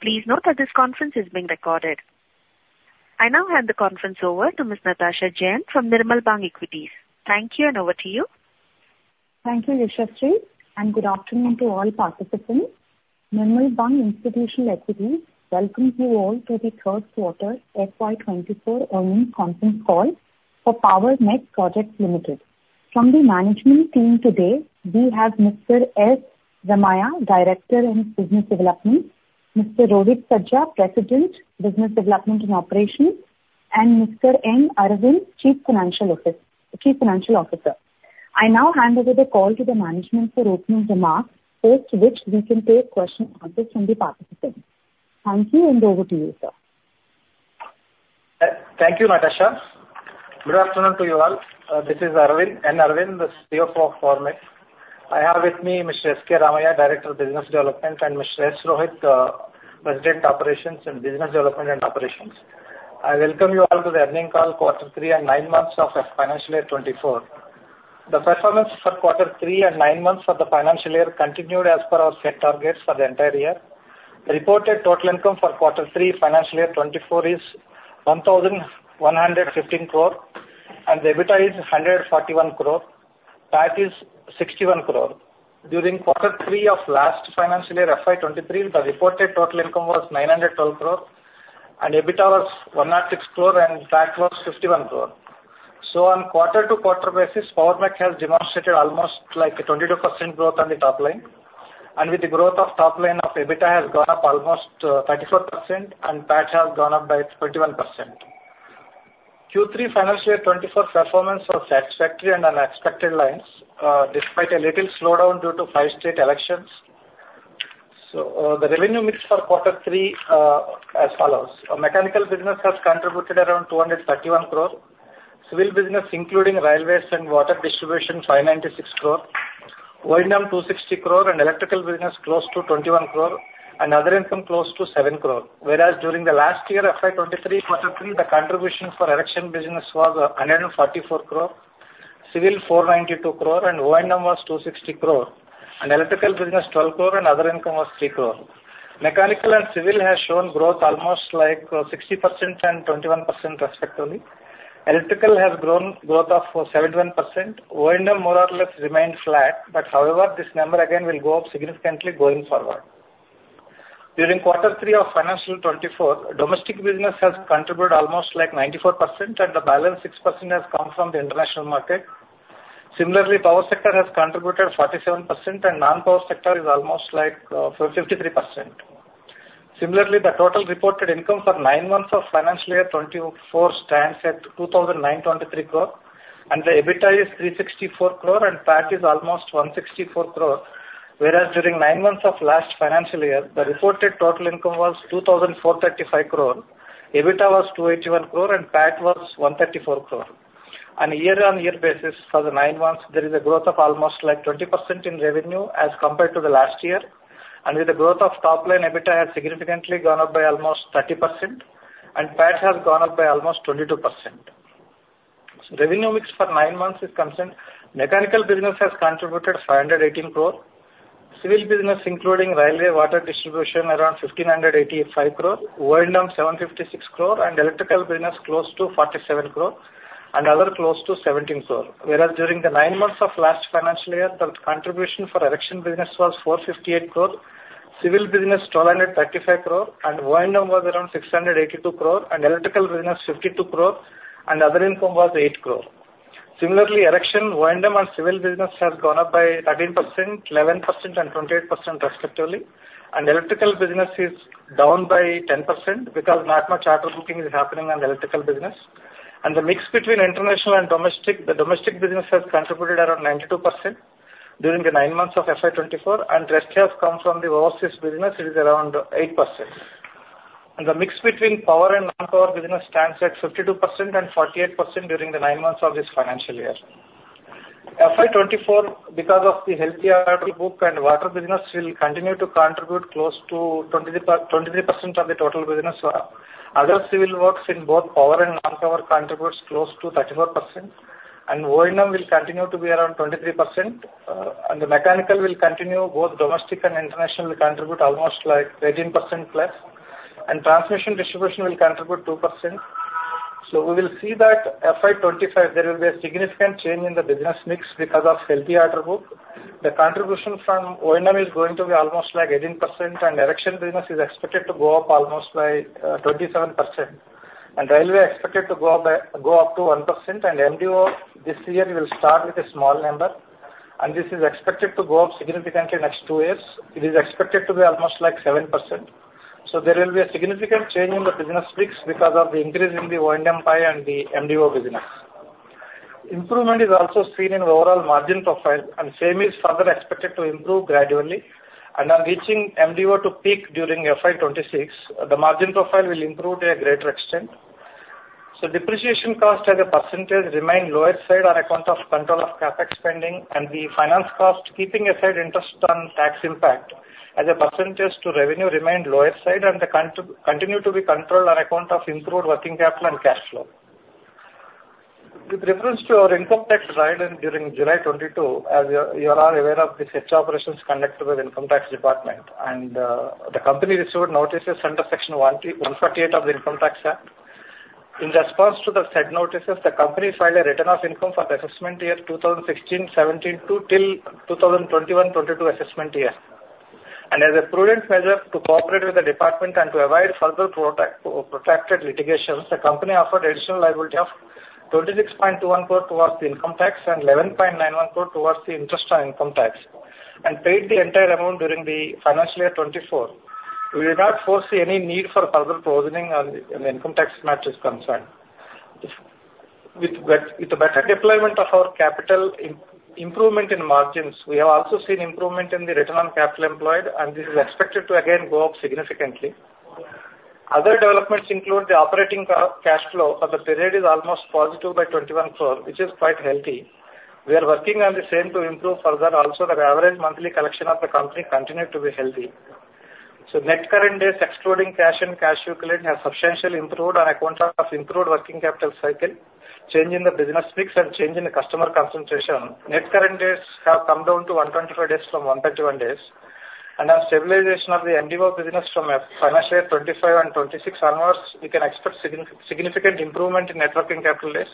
Please note that this conference is being recorded. I now hand the conference over to Ms. Natasha Jain from Nirmal Bang Equities. Thank you, and over to you. Thank you, Rishastri, and good afternoon to all participants. Nirmal Bang Institutional Equities welcome you all to the third quarter FY 2024 earnings conference call for Power Mech Projects Limited. From the management team today, we have Mr. S.K. Ramaiah, Director of Business Development, Mr. Rohit Sajja, President, Business Development and Operations, and Mr. N. Aravind, Chief Financial Officer. I now hand over the call to the management for opening remarks, post which we can take question and answers from the participants. Thank you, and over to you, sir. Thank you, Natasha. Good afternoon to you all. This is Arvind, N. Aravind, the CFO of Power Mech. I have with me Mr. S.K. Ramaiah, Director of Business Development, and Mr. Rohit Sajja, President, Operations and Business Development and Operations. I welcome you all to the earning call, quarter three and nine months of financial year 2024. The performance for quarter three and nine months of the financial year continued as per our set targets for the entire year. The reported total income for quarter three, financial year 2024 is 1,115 crore, and the EBITDA is 141 crore, PAT is 61 crore. During quarter three of last financial year, FY 2023, the reported total income was 912 crore, and EBITDA was 106 crore, and PAT was 51 crore. On quarter-to-quarter basis, Power Mech has demonstrated almost like a 22% growth on the top line, and with the growth of top line of EBITDA has gone up almost 34% and PAT has gone up by 21%. Q3 financial year 2024 performance was satisfactory and on expected lines, despite a little slowdown due to five state elections. The revenue mix for quarter three as follows: Our mechanical business has contributed around 231 crore, civil business, including railways and water distribution, 596 crore, O&M, 260 crore, and electrical business close to 21 crore, and other income, close to 7 crore. Whereas during the last year, FY 2023, quarter three, the contribution for erection business was 144 crore, civil, 492 crore, and O&M was 260 crore, and electrical business, 12 crore, and other income was 3 crore. Mechanical and civil has shown growth almost like, 60% and 21% respectively. Electrical has grown, growth of, 71%. O&M, more or less, remained flat, but however, this number again will go up significantly going forward. During quarter three of financial 2024, domestic business has contributed almost like 94%, and the balance 6% has come from the international market. Similarly, power sector has contributed 47%, and non-power sector is almost like, 53%. Similarly, the total reported income for nine months of financial year 2024 stands at 2,923 crore, and the EBITDA is 364 crore, and PAT is almost 164 crore. Whereas during nine months of last financial year, the reported total income was 2,435 crore, EBITDA was 281 crore, and PAT was 134 crore. On a year-on-year basis for the nine months, there is a growth of almost like 20% in revenue as compared to the last year, and with the growth of top line, EBITDA has significantly gone up by almost 30% and PAT has gone up by almost 22%. Revenue mix for nine months is concerned, mechanical business has contributed 518 crore, civil business, including railway, water distribution, around 1,585 crore, O&M, 756 crore, and electrical business, close to 47 crore, and other, close to 17 crore. Whereas during the nine months of last financial year, the contribution for erection business was 458 crore, civil business, 1,235 crore, and O&M was around 682 crore, and electrical business, 52 crore, and other income was 8 crore rupees. Similarly, erection, O&M and civil business has gone up by 13%, 11%, and 28% respectively. Electrical business is down by 10% because not much order booking is happening on electrical business. The mix between international and domestic, the domestic business has contributed around 92% during the nine months of FY 2024, and rest has come from the overseas business, it is around 8%. The mix between power and non-power business stands at 52% and 48% during the nine months of this financial year. FY 2024, because of the healthy order book and water business, will continue to contribute close to 23%, 23% of the total business. Other civil works in both power and non-power contributes close to 34%, and O&M will continue to be around 23%. The mechanical will continue, both domestic and international, will contribute almost like 18%+, and transmission distribution will contribute 2%. So we will see that FY 2025, there will be a significant change in the business mix because of healthy order book. The contribution from O&M is going to be almost like 18%, and erection business is expected to go up almost by 27%. And railway expected to go up by, go up to 1%, and MDO, this year, will start with a small number, and this is expected to go up significantly in next two years. It is expected to be almost like 7%. So there will be a significant change in the business mix because of the increase in the O&M pie and the MDO business. Improvement is also seen in overall margin profile, and same is further expected to improve gradually. And on reaching MDO to peak during FY 2026, the margin profile will improve to a greater extent. So depreciation cost as a percentage remain lower side on account of control of CapEx spending, and the finance cost, keeping aside interest on tax impact, as a percentage to revenue, remained lower side and continue to be controlled on account of improved working capital and cash flow. With reference to our income tax raid during July 2022, as you are, you are all aware of the search operations conducted with Income Tax Department, and, the company received notices under Section 148 of the Income Tax Act. In response to the said notices, the company filed a return of income for the assessment year 2016-2017 to till 2021-2022 assessment year. As a prudent measure to cooperate with the department and to avoid further protracted litigations, the company offered additional liability of 26.21 crore towards the income tax and 11.91 crore towards the interest on income tax, and paid the entire amount during the financial year 2024. We do not foresee any need for further provisioning on the income tax matter is concerned. With the better deployment of our capital, improvement in margins, we have also seen improvement in the return on capital employed, and this is expected to again go up significantly. Other developments include the operating cash flow for the period is almost positive by 21 crore, which is quite healthy. We are working on the same to improve further. Also, the average monthly collection of the company continued to be healthy. So net current days, excluding cash and cash equivalent, has substantially improved on account of improved working capital cycle, change in the business mix and change in the customer concentration. Net current days have come down to 125 days from 131 days, and as stabilization of the MDO business from a financial year 2025 and 2026 onwards, we can expect significant improvement in net working capital days,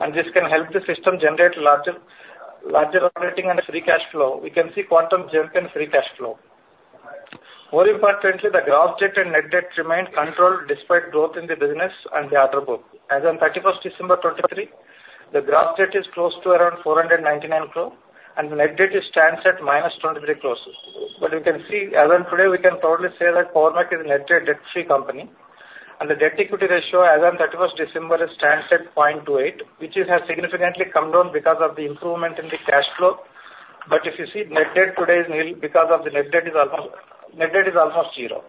and this can help the system generate larger, larger operating and free cash flow. We can see quantum jump in free cash flow. More importantly, the gross debt and net debt remained controlled despite growth in the business and the order book. As on 31st December 2023, the gross debt is close to around 499 crore, and net debt stands at -23 crore. But you can see, as on today, we can probably say that Power Mech is a net a debt-free company, and the debt-to-equity ratio as on 31st December, it stands at 0.28x, which has significantly come down because of the improvement in the cash flow. But if you see, net debt today is nil because net debt is almost zero.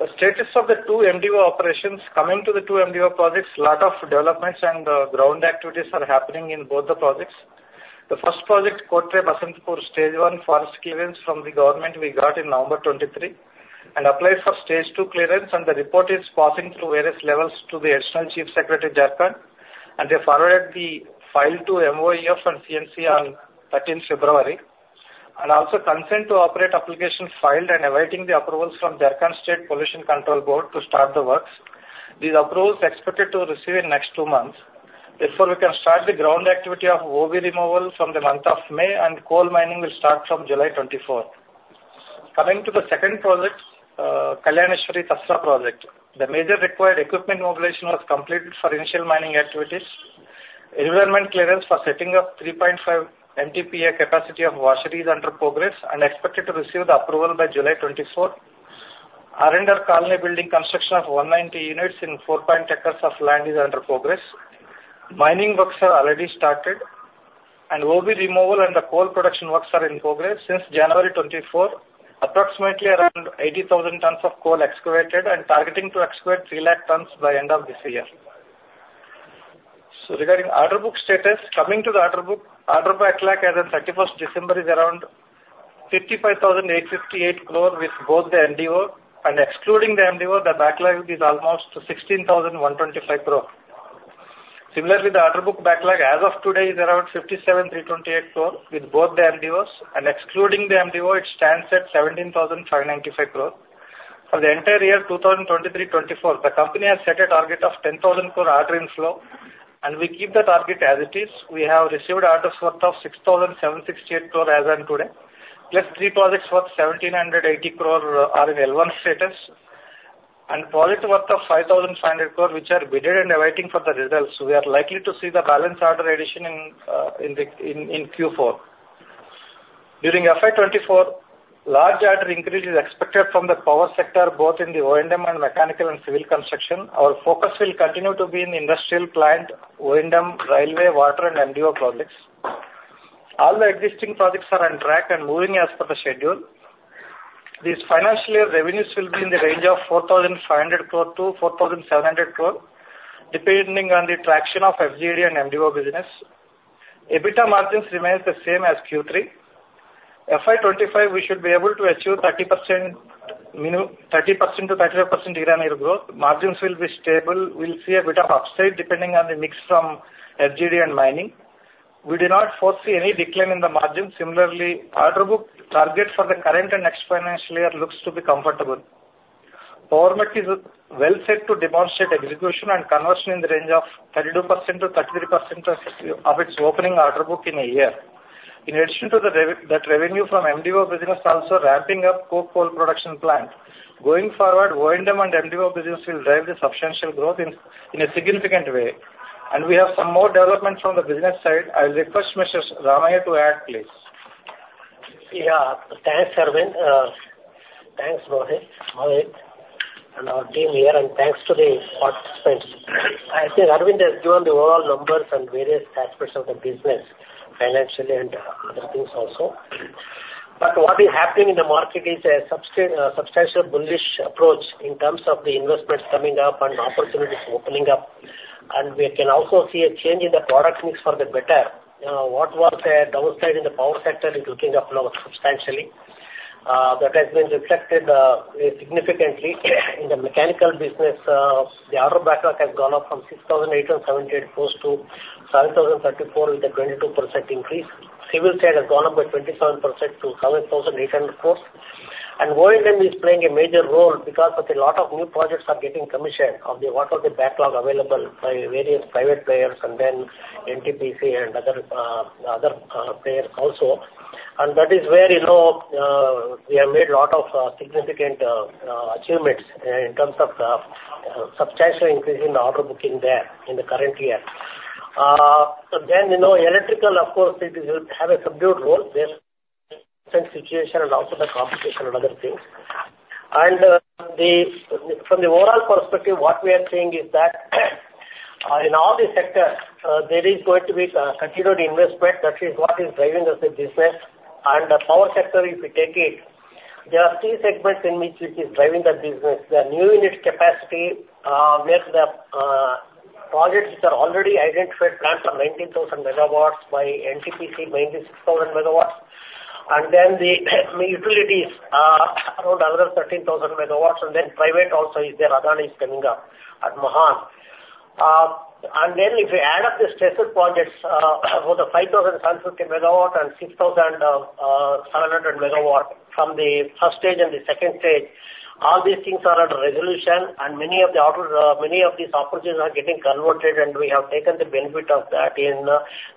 The status of the two MDO operations. Coming to the two MDO projects, lot of developments and ground activities are happening in both the projects. The first project, Kotre Basantpur Stage I, Forest Clearance from the government we got in November 2023, and applied for Stage II clearance, and the report is passing through various levels to the Additional Chief Secretary, Jharkhand, and they forwarded the file to MoEF&CC on 13th February, and also consent to operate applications filed and awaiting the approvals from Jharkhand State Pollution Control Board to start the works. These approvals expected to receive in next two months. Therefore, we can start the ground activity of OB removal from the month of May, and coal mining will start from July 2024. Coming to the second project, Kalyaneswari Tasra project. The major required equipment mobilization was completed for initial mining activities. Environment clearance for setting up 3.5 MTPA capacity of washery is under progress and expected to receive the approval by July 2024. R&R colony building construction of 190 units in 4 hectares of land is under progress. Mining works are already started, and OB removal and the coal production works are in progress since January 2024. Approximately around 80,000 tons of coal excavated and targeting to excavate 300,000 tons by end of this year. So regarding order book status, coming to the order book, order book backlog as on 31st December is around 55,858 crore with both the MDO, and excluding the MDO, the backlog is almost 16,125 crore. Similarly, the order book backlog as of today is around 57,328 crore, with both the MDOs, and excluding the MDO, it stands at 17,595 crore. For the entire year, 2023-2024, the company has set a target of 10,000 crore order inflow, and we keep that target as it is. We have received orders worth 6,768 crore as on today, plus three projects worth 1,780 crore are in L1 status, and project worth 5,500 crore, which are bidded and awaiting for the results. We are likely to see the balance order addition in Q4. During FY 2024, large order increase is expected from the power sector, both in the O&M and mechanical and civil construction. Our focus will continue to be in industrial plant, O&M, railway, water and MDO projects. All the existing projects are on track and moving as per the schedule. This financial year, revenues will be in the range of 4,500 crore-4,700 crore, depending on the traction of FGD and MDO business. EBITDA margins remains the same as Q3. FY 2025, we should be able to achieve 30%-35% year-on-year growth. Margins will be stable. We'll see a bit of upside depending on the mix from FGD and mining. We do not foresee any decline in the margin. Similarly, order book target for the current and next financial year looks to be comfortable. Power Mech is well set to demonstrate execution and conversion in the range of 32%-33% of its opening order book in a year. In addition to that revenue from MDO business, also ramping up coke coal production plant. Going forward, O&M and MDO business will drive the substantial growth in a significant way, and we have some more development from the business side. I request Mr. Ramaiah to add, please. Yeah. Thanks, Arvind. Thanks, Rohit, Rohit and our team here, and thanks to the participants. I think Arvind has given the overall numbers and various aspects of the business, financially and other things also. But what is happening in the market is a substantial bullish approach in terms of the investments coming up and opportunities opening up. And we can also see a change in the product mix for the better. What was a downside in the power sector is looking up now substantially. That has been reflected significantly in the mechanical business. The order backlog has gone up from 6,878 crore to 7,034 crore, with a 22% increase. Civil side has gone up by 27% to 7,800 crore. O&M is playing a major role because a lot of new projects are getting commissioned of the, what are the backlog available by various private players, and then NTPC and other, the other, players also. That is where, you know, we have made a lot of, significant, achievements in terms of, substantial increase in the order booking there in the current year. So then, you know, electrical, of course, it will have a subdued role there, current situation and also the competition and other things. From the overall perspective, what we are seeing is that, in all the sectors, there is going to be, continued investment. That is what is driving us the business. And the power sector, if you take it, there are three segments in which it is driving the business. The new unit capacity, where the projects which are already identified plants are 19,000 MW by NTPC, and then the utilities around another 13,000 MW, and then private also is there, Adani is coming up at Mahan. And then if you add up the stressed projects, about the 5,750 MW and 6,700 MW from the first stage and the second stage, all these things are under resolution, and many of the orders, many of these opportunities are getting converted, and we have taken the benefit of that in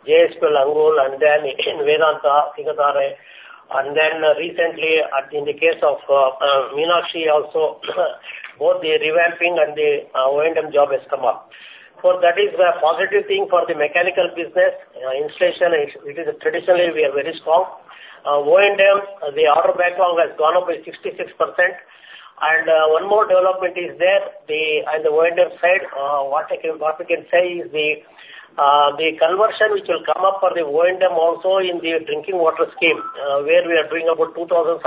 JSPL Angul and then in Vedanta, Singhitarai. And then recently, in the case of Meenakshi also, both the revamping and the O&M job has come up. So that is a positive thing for the mechanical business. Installation, it is traditionally we are very strong. O&M, the order backlog has gone up by 66%. One more development is there, on the O&M side, what we can say is the conversion, which will come up for the O&M also in the drinking water scheme, where we are doing about 2,725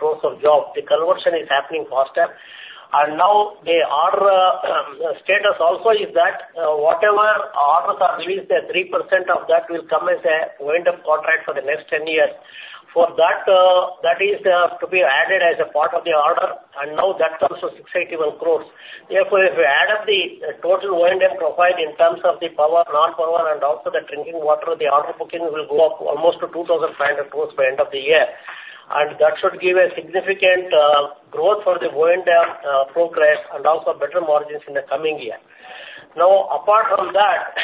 crore of job. The conversion is happening faster. Now the order status also is that, whatever orders are released, that 3% of that will come as a O&M contract for the next 10 years. For that, that is, to be added as a part of the order, and now that comes to 681 crore. Therefore, if you add up the total O&M profile in terms of the power, non-power, and also the drinking water, the order booking will go up almost to 2,500 crore by end of the year. And that should give a significant growth for the O&M progress and also better margins in the coming year. Now, apart from that,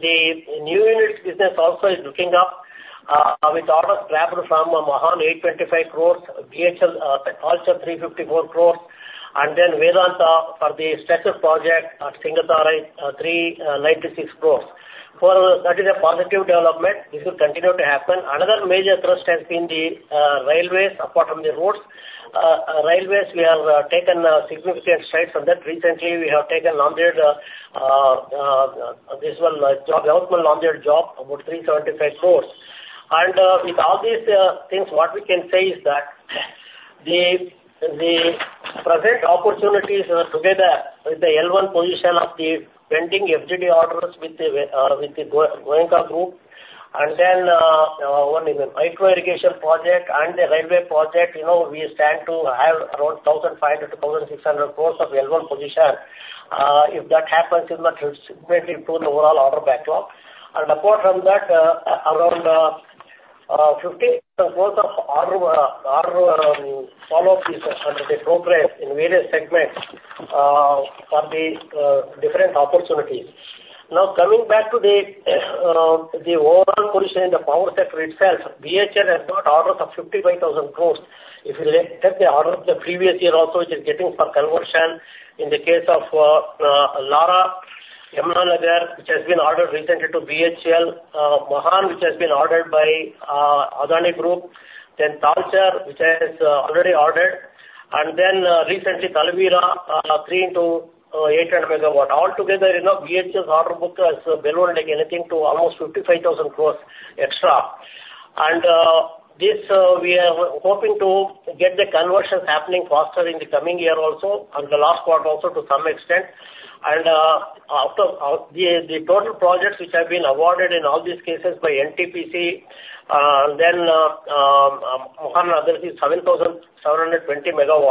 the new units business also is looking up with orders grabbed from Mahan, 825 crore; BHEL Talcher also 354 crore; and then Vedanta for the special project at Singhitarai, 396 crore. For us, that is a positive development. This will continue to happen. Another major thrust has been the railways, apart from the roads. Railways, we have taken significant strides from that. Recently, we have been awarded the Yavatmal-Nanded job, about INR 375 crore. With all these things, what we can say is that the present opportunities are together with the L1 position of the pending FGD orders with the Goenka Group, and then one in the micro irrigation project and the railway project, you know, we stand to have around 1,500 crore-1,600 crore of L1 position. If that happens, it will significantly improve the overall order backlog. And apart from that, around INR 15,000 crore of order follow-up is under progress in various segments for the different opportunities. Now, coming back to the overall position in the power sector itself, BHEL has got orders of 55,000 crore. If you look at the order of the previous year also, which is getting for conversion in the case of Lara, Yamunanagar, which has been ordered recently to BHEL, Mahan, which has been ordered by Adani Group, then Talcher, which has already ordered, and then recently, Talabira, 3 into 800 MW. All together, you know, BHEL's order book has ballooned like anything to almost 55,000 crore extra. And this, we are hoping to get the conversions happening faster in the coming year also, and the last quarter also to some extent. After the total projects which have been awarded in all these cases by NTPC, Mahan, there is 7,720 MW.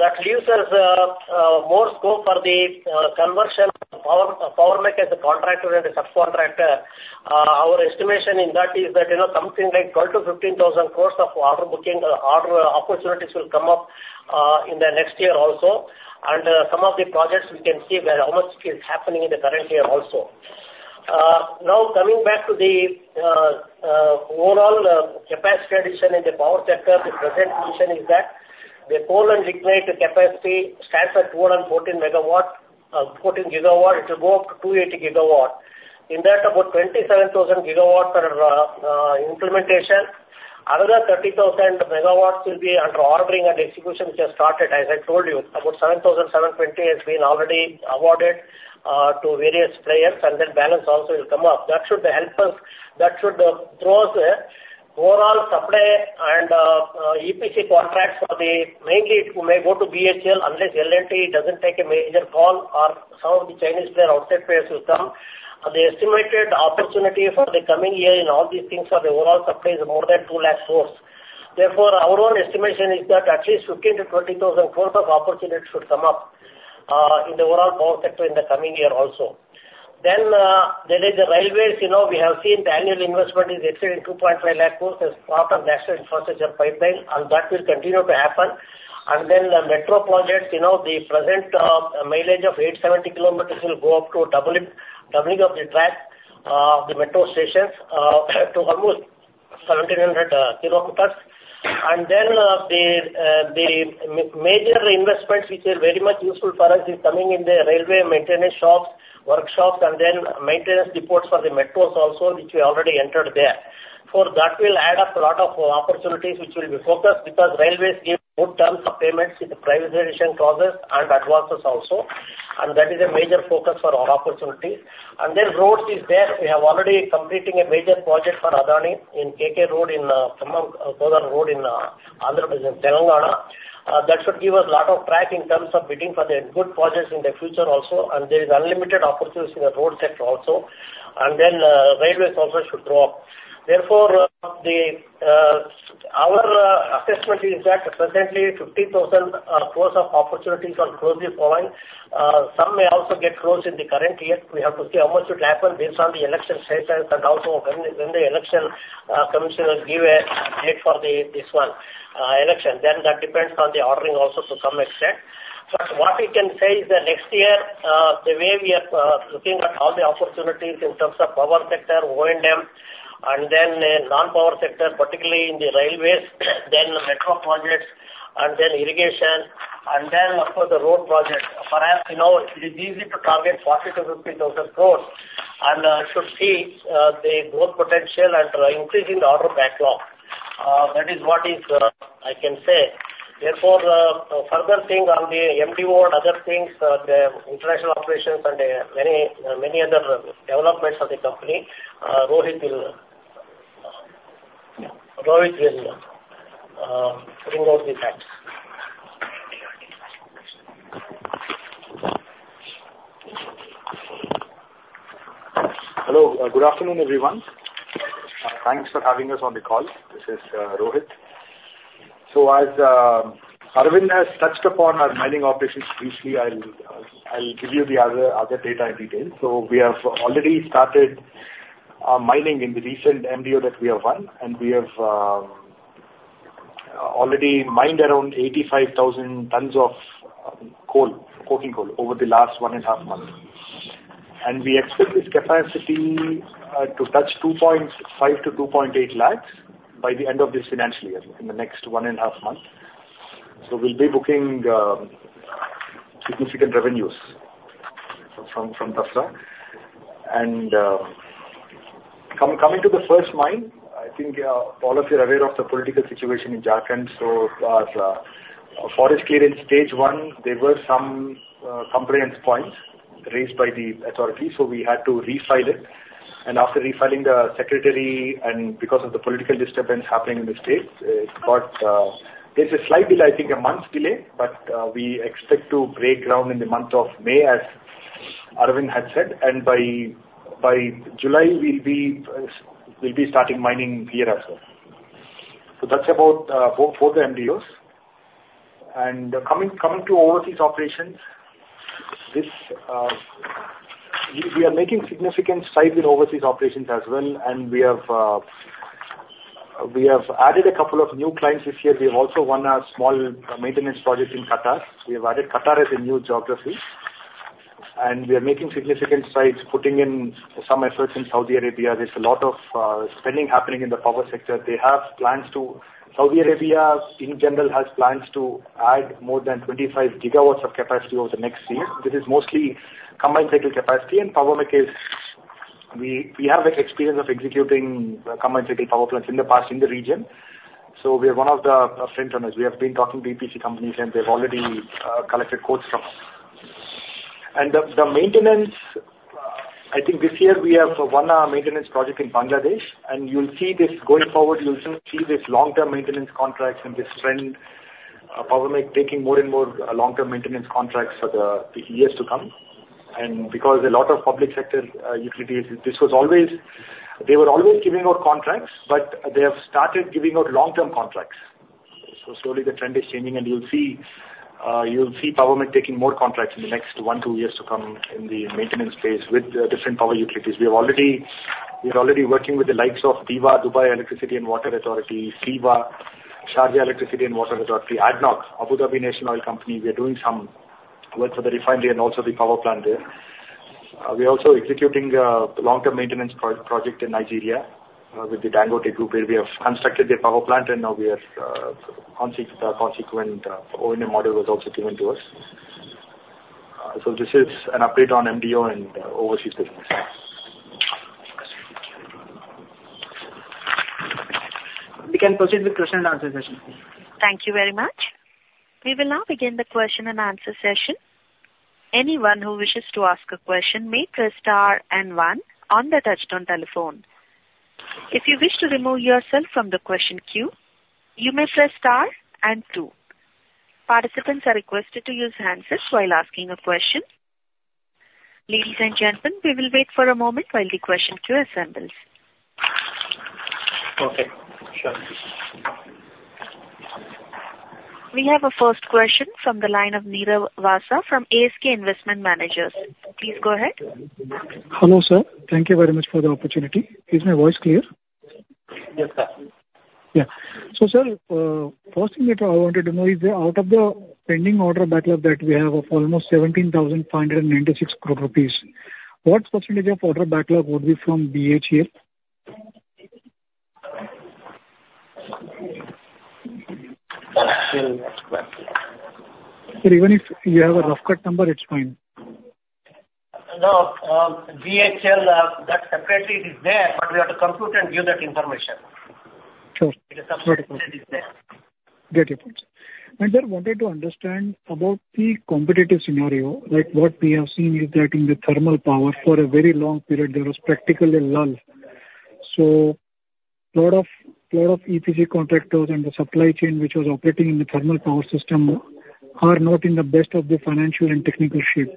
That leaves us more scope for the conversion of power, power mechanism contractor and the subcontractor. Our estimation in that is that, you know, something like 12,000 crore-15,000 crore of order booking, order opportunities will come up in the next year also. Some of the projects we can see where how much is happening in the current year also. Now, coming back to the overall capacity addition in the power sector, the present position is that the coal and lignite capacity stands at 214 GW. It will go up to 280 GW. In that, about 27,000 GW are implementation. Another 30,000 MW will be under ordering and execution, which has started. As I told you, about 7,720 has been already awarded to various players, and then balance also will come up. That should help us. That should throw us a overall supply and EPC contracts for the, mainly, it may go to BHEL, unless L&T doesn't take a major call or some of the Chinese player, outside players will come. The estimated opportunity for the coming year in all these things for the overall supply is more than 2 lakh crore. Therefore, our own estimation is that at least 15,000-20,000 crore of opportunity should come up in the overall power sector in the coming year also. Then, there is the railways, you know, we have seen the annual investment is estimated 2.5 lakh crore as part of National Infrastructure Pipeline, and that will continue to happen. And then the metro projects, you know, the present mileage of 870 km will go up to double it, doubling of the track, the metro stations to almost 1,700 km. And then, the major investments, which are very much useful for us, is coming in the railway maintenance shops, workshops, and then maintenance depots for the metros also, which we already entered there. For that will add up a lot of opportunities, which will be focused, because railways give good terms of payments in the privatization process and advances also, and that is a major focus for our opportunity. And then roads is there. We have already completing a major project for Adani in KK Road, in Kodad Road in Andhra Pradesh, Telangana. That should give us a lot of track in terms of bidding for the good projects in the future also, and there is unlimited opportunities in the road sector also, and then railways also should go up. Therefore, our assessment is that presently 50,000 crore of opportunities are closely following. Some may also get closed in the current year. We have to see how much it happen based on the election cycles and also when the Election Commission will give a date for this one election, then that depends on the ordering also to some extent. But what we can say is that next year, the way we are looking at all the opportunities in terms of power sector, O&M, and then the non-power sector, particularly in the railways, then the metro projects, and then irrigation, and then of course, the road projects. For us, you know, it is easy to target 40,000-50,000 crore, and should see the growth potential and increasing the order backlog. That is what is, I can say. Therefore, further thing on the MDO and other things, the international operations and many, many other developments of the company, Rohit will bring out the facts. Hello, good afternoon, everyone. Thanks for having us on the call. This is Rohit. So as Arvind has touched upon our mining operations briefly, I'll give you the other data in detail. So we have already started mining in the recent MDO that we have won, and we have already mined around 85,000 tons of coal, coking coal, over the last one and a half months. And we expect this capacity to touch 2.5 lakh-2.8 lakh by the end of this financial year, in the next one and a half months. So we'll be booking significant revenues from Tasra. And coming to the first mine, I think all of you are aware of the political situation in Jharkhand. So as Forest Clearance Stage I, there were some compliance points raised by the authority, so we had to refile it. And after refiling, the secretary and because of the political disturbance happening in the state, it got, there's a slight delay, I think a month's delay, but we expect to break ground in the month of May, as Arvind had said, and by July, we'll be starting mining here also. So that's about for the MDOs. And coming to overseas operations, we are making significant strides with overseas operations as well, and we have added a couple of new clients this year. We have also won a small maintenance project in Qatar. We have added Qatar as a new geography, and we are making significant strides, putting in some efforts in Saudi Arabia. There's a lot of spending happening in the power sector. Saudi Arabia, in general, has plans to add more than 25 GW of capacity over the next year. This is mostly combined cycle capacity, and Power Mech is, we have the experience of executing combined cycle power plants in the past, in the region. So we are one of the frontrunners. We have been talking to EPC companies, and they've already collected quotes from us. And the, the maintenance, I think this year we have won a maintenance project in Bangladesh, and you'll see this going forward, you'll soon see this long-term maintenance contracts and this trend, Power Mech taking more and more, long-term maintenance contracts for the years to come. And because a lot of public sector, utilities, this was always, they were always giving out contracts, but they have started giving out long-term contracts. So slowly, the trend is changing, and you'll see, you'll see Power Mech taking more contracts in the next one, two years to come in the maintenance space with the different power utilities. We have already, we are already working with the likes of DEWA, Dubai Electricity and Water Authority, SEWA, Sharjah Electricity and Water Authority, ADNOC, Abu Dhabi National Oil Company. We are doing some work for the refinery and also the power plant there. We are also executing a long-term maintenance project in Nigeria, with the Dangote Group, where we have constructed the power plant and now we are consequent, O&M model was also given to us. So this is an update on MDO and overseas business. We can proceed with question and answer session. Thank you very much. We will now begin the question and answer session. Anyone who wishes to ask a question, may press star and one on the touchtone telephone. If you wish to remove yourself from the question queue, you may press star and two. Participants are requested to use handsets while asking a question. Ladies and gentlemen, we will wait for a moment while the question queue assembles. Okay, sure. We have a first question from the line of Nirav Vasa from ASK Investment Managers. Please go ahead. Hello, sir. Thank you very much for the opportunity. Is my voice clear? Yes, sir. Yeah. So, sir, first thing that I wanted to know is that out of the pending order backlog that we have of almost 17,596 crore rupees, what percentage of order backlog would be from BHEL? Sir, even if you have a rough cut number, it's fine. No, BHEL, that separately it is there, but we have to compute and give that information. Sure. It is something that is there. Very good. And then wanted to understand about the competitive scenario. Like, what we have seen is that in the thermal power, for a very long period, there was practically a lull. So a lot of EPC contractors and the supply chain, which was operating in the thermal power system, are not in the best of the financial and technical shape.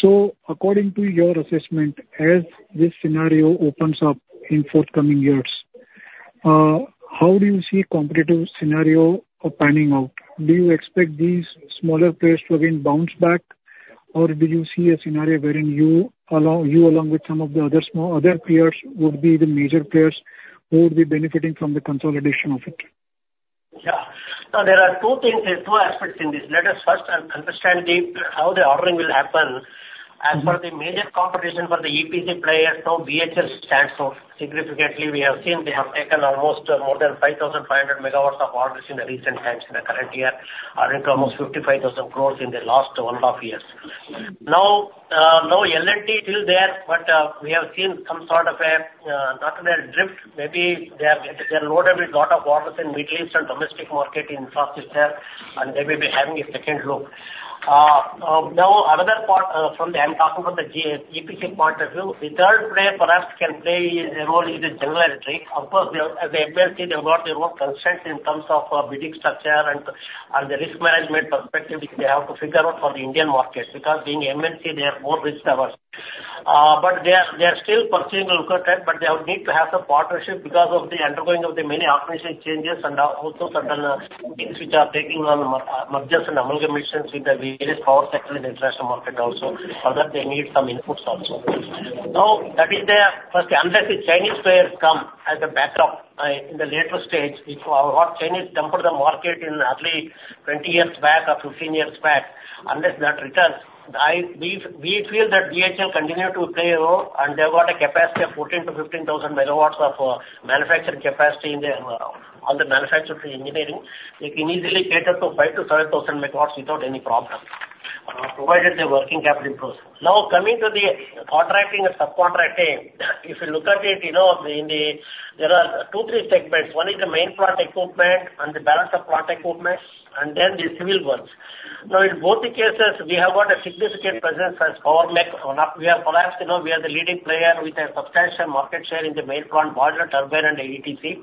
So according to your assessment, as this scenario opens up in forthcoming years, how do you see the competitive scenario panning out? Do you expect these smaller players to again bounce back, or do you see a scenario wherein you along with some of the other smaller players would be the major players who would be benefiting from the consolidation of it? Yeah. Now, there are two things, there are two aspects in this. Let us first understand how the ordering will happen. Mm-hmm. As for the major competition for the EPC players, now BHEL stands out significantly. We have seen they have taken almost more than 5,500 MW of orders in the recent times in the current year, earning almost 55,000 crore in the last one and a half years. Now, L&T is there, but, we have seen some sort of a, not only a drift, maybe they have, they're loaded with lot of orders in Middle East and domestic market infrastructure, and they may be having a second look. Now, another part, from the, I'm talking about the EPC point of view, the third player perhaps can play a role is in the General Electric. Of course, they are, as the MNC, they have got their own concerns in terms of bidding structure and the risk management perspective. They have to figure out for the Indian markets, because being MNC, they are more risk-averse. But they are still pursuing a look at that, but they would need to have some partnership because of the undergoing of the many optimization changes and also certain things which are taking on mergers and amalgamations with the various power sector in the international market also. For that, they need some inputs also. Now, that is there. First, unless the Chinese players come as a backup, in the later stage, if our Chinese come to the market in early 20 years back or 15 years back, unless that returns, I, we, we feel that BHEL continue to play a role, and they have got a capacity of 14,000 MW-15,000 MW of manufacturing capacity in the all the manufacturing engineering. They can easily cater to 5,000 MW-7,000 MW without any problem, provided their working capital improves. Now, coming to the contracting and subcontracting, if you look at it, you know, in the, there are two, three segments. One is the main plant equipment and the balance of plant equipment, and then the civil works. Now, in both the cases, we have got a significant presence as Power Mech, or not, we are perhaps, you know, we are the leading player with a substantial market share in the main plant, boiler, turbine, and ETC.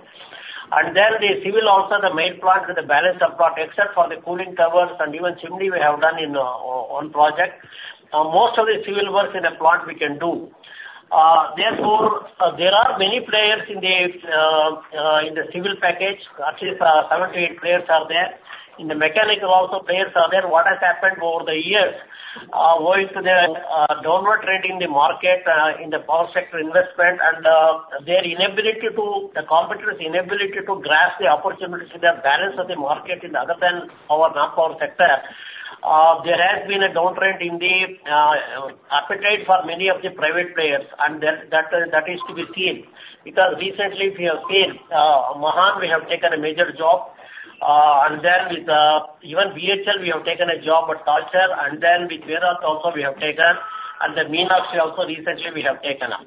And then the civil, also the main plant with the balance of plant, except for the cooling towers and even chimney we have done in own project. Most of the civil works in a plant we can do. Therefore, there are many players in the civil package, at least seven to eight players are there. In the mechanical also, players are there. What has happened over the years, owing to the downward trend in the market, in the power sector investment and their inability to. The competitor's inability to grasp the opportunities with the balance of the market in other than power, not power sector, there has been a downtrend in the appetite for many of the private players, and then, that is to be seen. Because recently we have seen, Mahan we have taken a major job, and then with even BHEL, we have taken a job at Talcher, and then with Vedanta also, we have taken, and then Meenakshi also, recently we have taken up.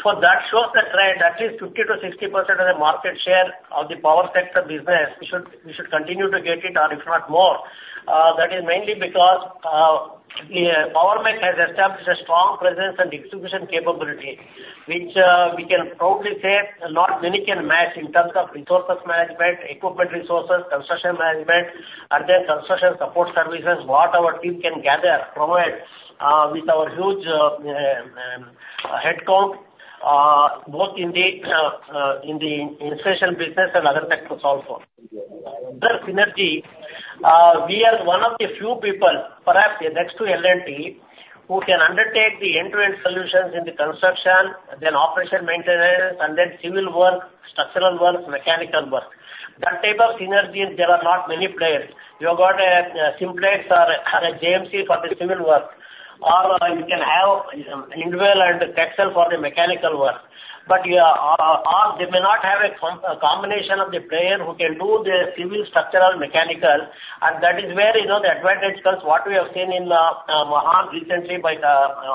So that shows the trend, at least 50%-60% of the market share of the power sector business, we should continue to get it, or if not more. That is mainly because, the Power Mech has established a strong presence and execution capability, which, we can proudly say not many can match in terms of resources management, equipment resources, construction management, and then construction support services. What our team can gather, provide, with our huge, head count, both in the, in the installation business and other sectors also. That synergy, we are one of the few people, perhaps next to L&T, who can undertake the end-to-end solutions in the construction, then operation maintenance, and then civil work, structural work, mechanical work. That type of synergies, there are not many players. You have got a, Simplex or a JMC for the civil work, or you can have, Indwell and Texcel for the mechanical work. They may not have a combination of the player who can do the civil, structural, mechanical, and that is where, you know, the advantage comes, what we have seen in Mahan recently by the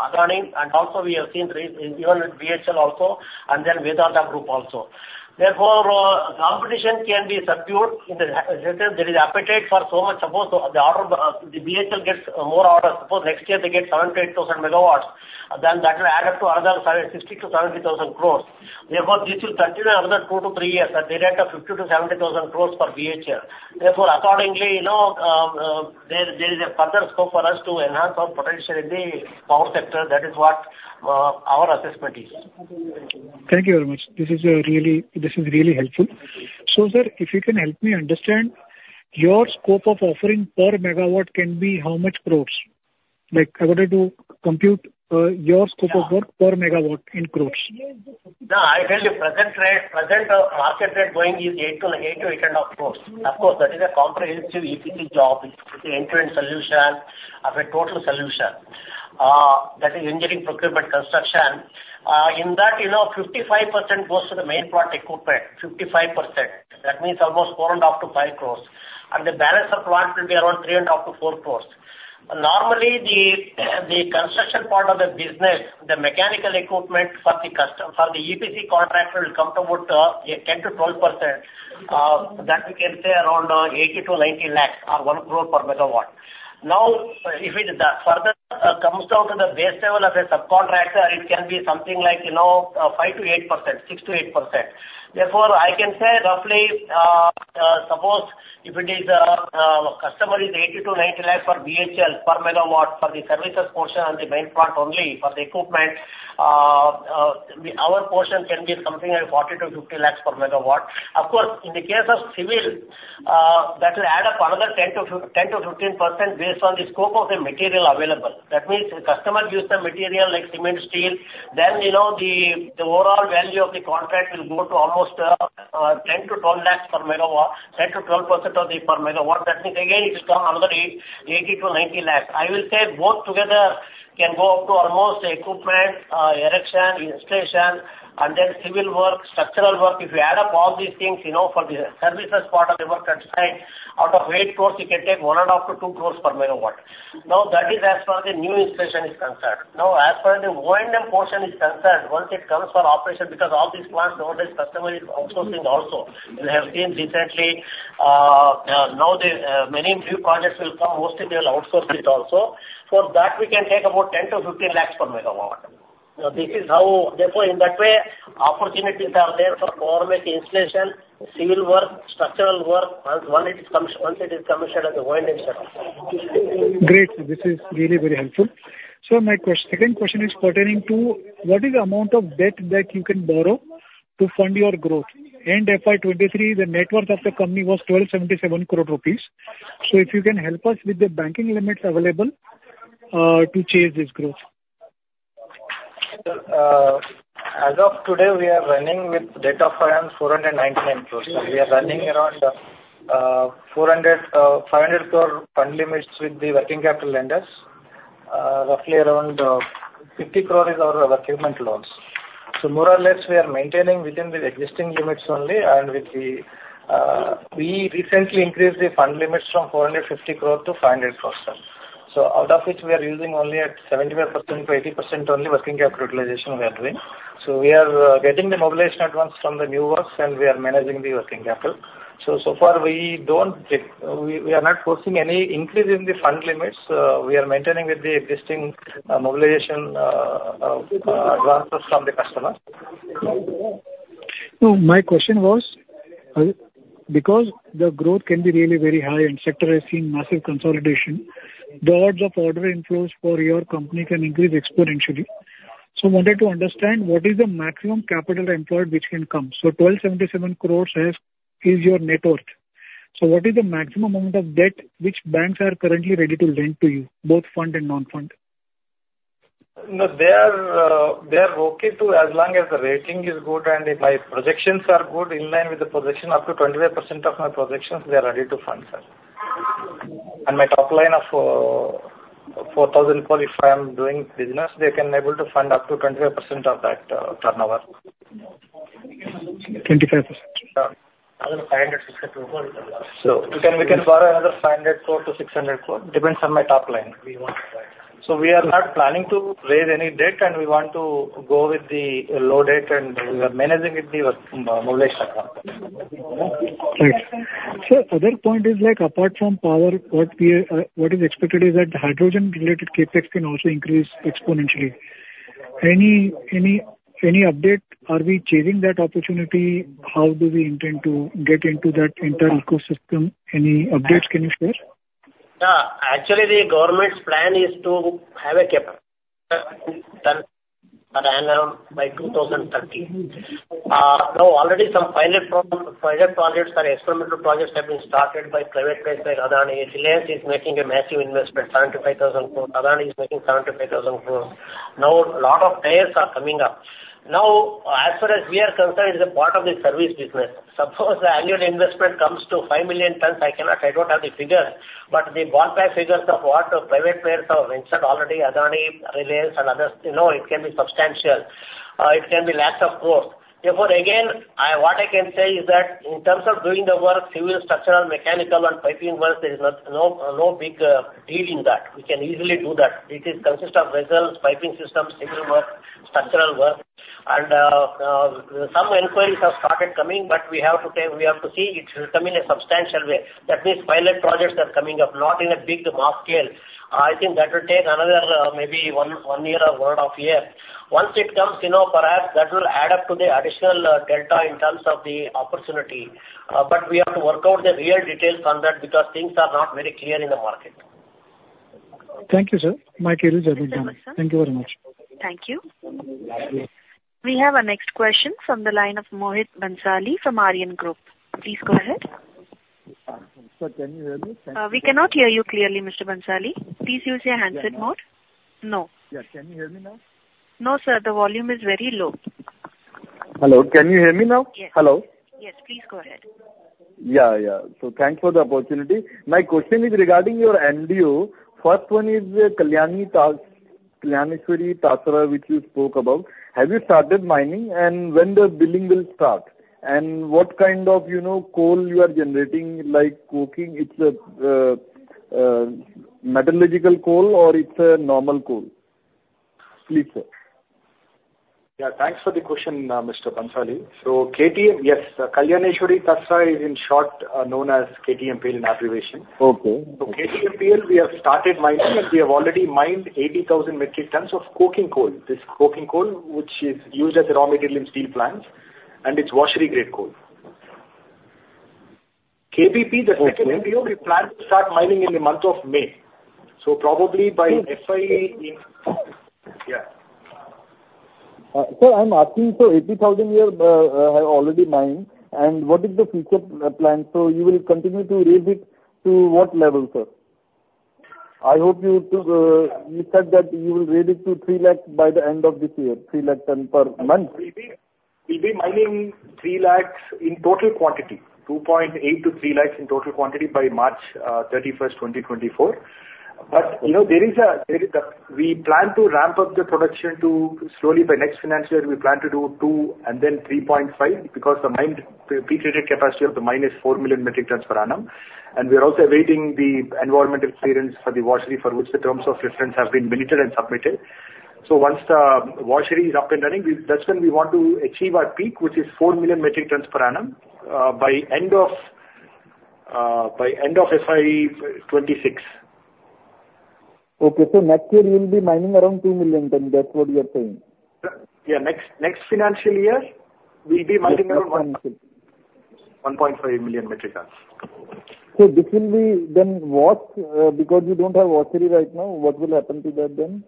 Adani, and also we have seen even with BHEL also, and then Vedanta group also. Therefore, competition can be subdued in the sense there is appetite for so much. Suppose the order, BHEL gets more orders. Suppose next year they get 78,000 MW, then that will add up to another 60,000 crore-70,000 crore. Therefore, this will continue another two to three years at the rate of 50,000 crore-70,000 crore per BHEL. Therefore, accordingly, you know, there is a further scope for us to enhance our potential in the power sector. That is what our assessment is. Thank you very much. This is, really, this is really helpful. So, sir, if you can help me understand, your scope of offering per megawatt can be how much crore? Like, I wanted to compute, your scope of work per megawatt in crore. No, I tell you, present rate, present, market rate going is 8 crore-8.5 crore. Of course, that is a comprehensive EPC job. It's an end-to-end solution, of a total solution. That is engineering, procurement, construction. In that, you know, 55% goes to the main product equipment, 55%. That means almost 4.5 crore-5 crore, and the balance of plant will be around 3.5 crore-4 crore. Normally, the, the construction part of the business, the mechanical equipment for the customer for the EPC contractor will come to about, a 10%-12%. That we can say around, 80 lakh-90 lakh or 1 crore per megawatt. Now, if it does further, comes down to the base level of a subcontractor, it can be something like, you know, 5%-8%, 6%-8%. Therefore, I can say roughly, suppose if it is, customer is 80 lakh-90 lakh per BHEL, per megawatt for the services portion and the main part only for the equipment, our portion can be something like 40 lakh-50 lakh per megawatt. Of course, in the case of civil, that will add up another 10%-15% based on the scope of the material available. That means the customer gives the material like cement, steel, then, you know, the, the overall value of the contract will go to almost, 10 lakh-12 lakh per megawatt, 10%-12% of the per megawatt. That means again, it is another 80 lakh-90 lakh. I will say both together can go up to almost equipment, erection, installation, and then civil work, structural work. If you add up all these things, you know, for the services part of the work at site, out of 8 crore, you can take 1.5 crore-2 crore per megawatt. Now, that is as far as the new installation is concerned. Now, as far as the O&M portion is concerned, once it comes for operation, because all these plants nowadays, customer is outsourcing also. We have seen recently, now the many new projects will come, mostly they will outsource it also. For that, we can take about 10 lakh-15 lakh per megawatt. Now, this is how. Therefore, in that way, opportunities are there for government installation, civil work, structural work, once it is commissioned as an O&M service. Great. This is really very helpful. So my second question is pertaining to what is the amount of debt that you can borrow to fund your growth? End FY 2023, the net worth of the company was 1,277 crore rupees. So if you can help us with the banking limits available, to chase this growth. Sir, as of today, we are running with debt of around 499 crore, and we are running around 400 crore-500 crore fund limits with the working capital lenders. Roughly around 50 crore is our achievement loans. So more or less, we are maintaining within the existing limits only and with the, we recently increased the fund limits from 450 crore to 500 crore, sir. So out of which we are using only at 75%-80% only working capital utilization we are doing. So we are getting the mobilization advance from the new works, and we are managing the working capital. So, so far we don't take. We are not forcing any increase in the fund limits. We are maintaining with the existing advances from the customers. No, my question was, because the growth can be really very high and sector is seeing massive consolidation, the odds of order inflows for your company can increase exponentially. So I wanted to understand, what is the maximum capital employed, which can come? So 1,277 crore is, is your net worth. So what is the maximum amount of debt which banks are currently ready to lend to you, both fund and non-fund? No, they are, they are okay to as long as the rating is good, and if my projections are good, in line with the projection, up to 25% of my projections, they are ready to fund, sir. And my top line of, 4,000 crore, if I am doing business, they can able to fund up to 25% of that, turnover. 25%? Yeah. Out of INR 500 crore-INR 600 crore. We can, we can borrow another 500 crore-600 crore, depends on my top line. We are not planning to raise any debt, and we are managing it with mobilization. Great. Sir, other point is like, apart from power, what is expected is that the hydrogen-related CapEx can also increase exponentially. Any, any, any update? Are we chasing that opportunity? How do we intend to get into that entire ecosystem? Any updates can you share? Yeah. Actually, the government's plan is to have a CapEx done around by 2030. So already some pilot project pilots or experimental projects have been started by private players like Adani. Reliance is making a massive investment, 75,000 crore. Adani is making 75,000 crore. Now, a lot of players are coming up. Now, as far as we are concerned, it's a part of the service business. Suppose the annual investment comes to 5 million tons, I cannot, I don't have the figures, but the ballpark figures of what private players have invested already, Adani, Reliance and others, you know, it can be substantial, it can be lakh of crore. Therefore, again, I, what I can say is that in terms of doing the work, civil, structural, mechanical, and piping work, there is not, no, no big deal in that. We can easily do that. It consists of vessels, piping systems, civil work, structural work. And some inquiries have started coming, but we have to take, we have to see it come in a substantial way. That means pilot projects are coming up, not in a big mass scale. I think that will take another, maybe one, one year or one and half year. Once it comes, you know, perhaps that will add up to the additional, delta in terms of the opportunity. But we have to work out the real details on that, because things are not very clear in the market. Thank you, sir. My query is done. Thank you, sir. Thank you very much. Thank you. We have our next question from the line of Mohit Bhansali from Aryan Group. Please go ahead. Sir, can you hear me? We cannot hear you clearly, Mr. Bhansali. Please use your handset mode. Yes. No. Yes. Can you hear me now? No, sir, the volume is very low. Hello, can you hear me now? Yes. Hello? Yes, please go ahead. Yeah, yeah. So thanks for the opportunity. My question is regarding your MDO. First one is Kalyaneswari Tasra, which you spoke about. Have you started mining, and when the billing will start? And what kind of, you know, coal you are generating, like, coking, it's a, metallurgical coal or it's a normal coal? Please, sir. Yeah, thanks for the question, Mr. Bhansali. So KTM. Yes, Kalyaneswari Tasra is in short, known as KTMPL in abbreviation. Okay. KTMPL, we have started mining, and we have already mined 80,000 metric tons of coking coal. This coking coal, which is used as a raw material in steel plants, and it's washery grade coal. KBP, the second MDO. Okay. We plan to start mining in the month of May. So probably by FY in, yeah. So I'm asking, so 80,000 you have already mined, and what is the future plan? So you will continue to raise it to what level, sir? I hope you to, you said that you will raise it to 300,000 by the end of this year, 300,000 ton per month. We'll be mining 3 lakh in total quantity, 2.8 lakh-3 lakh in total quantity by March 31st, 2024. But, you know, there is a, we plan to ramp up the production too slowly by next financial year, we plan to do two and then 3.5, because the mine peak rated capacity of the mine is 4 million metric tons per annum. And we are also awaiting the environmental clearance for the washery, for which the terms of reference have been obtained and submitted. So once the washery is up and running, we—that's when we want to achieve our peak, which is 4 million metric tons per annum, by end of, by end of FY 2026. Okay. So next year you will be mining around 2 million tons. That's what you are saying? Yeah. Next, next financial year, we'll be mining around one. 1.5 million. 1.5 million metric tons. So this will be then washed, because you don't have washery right now, what will happen to that then?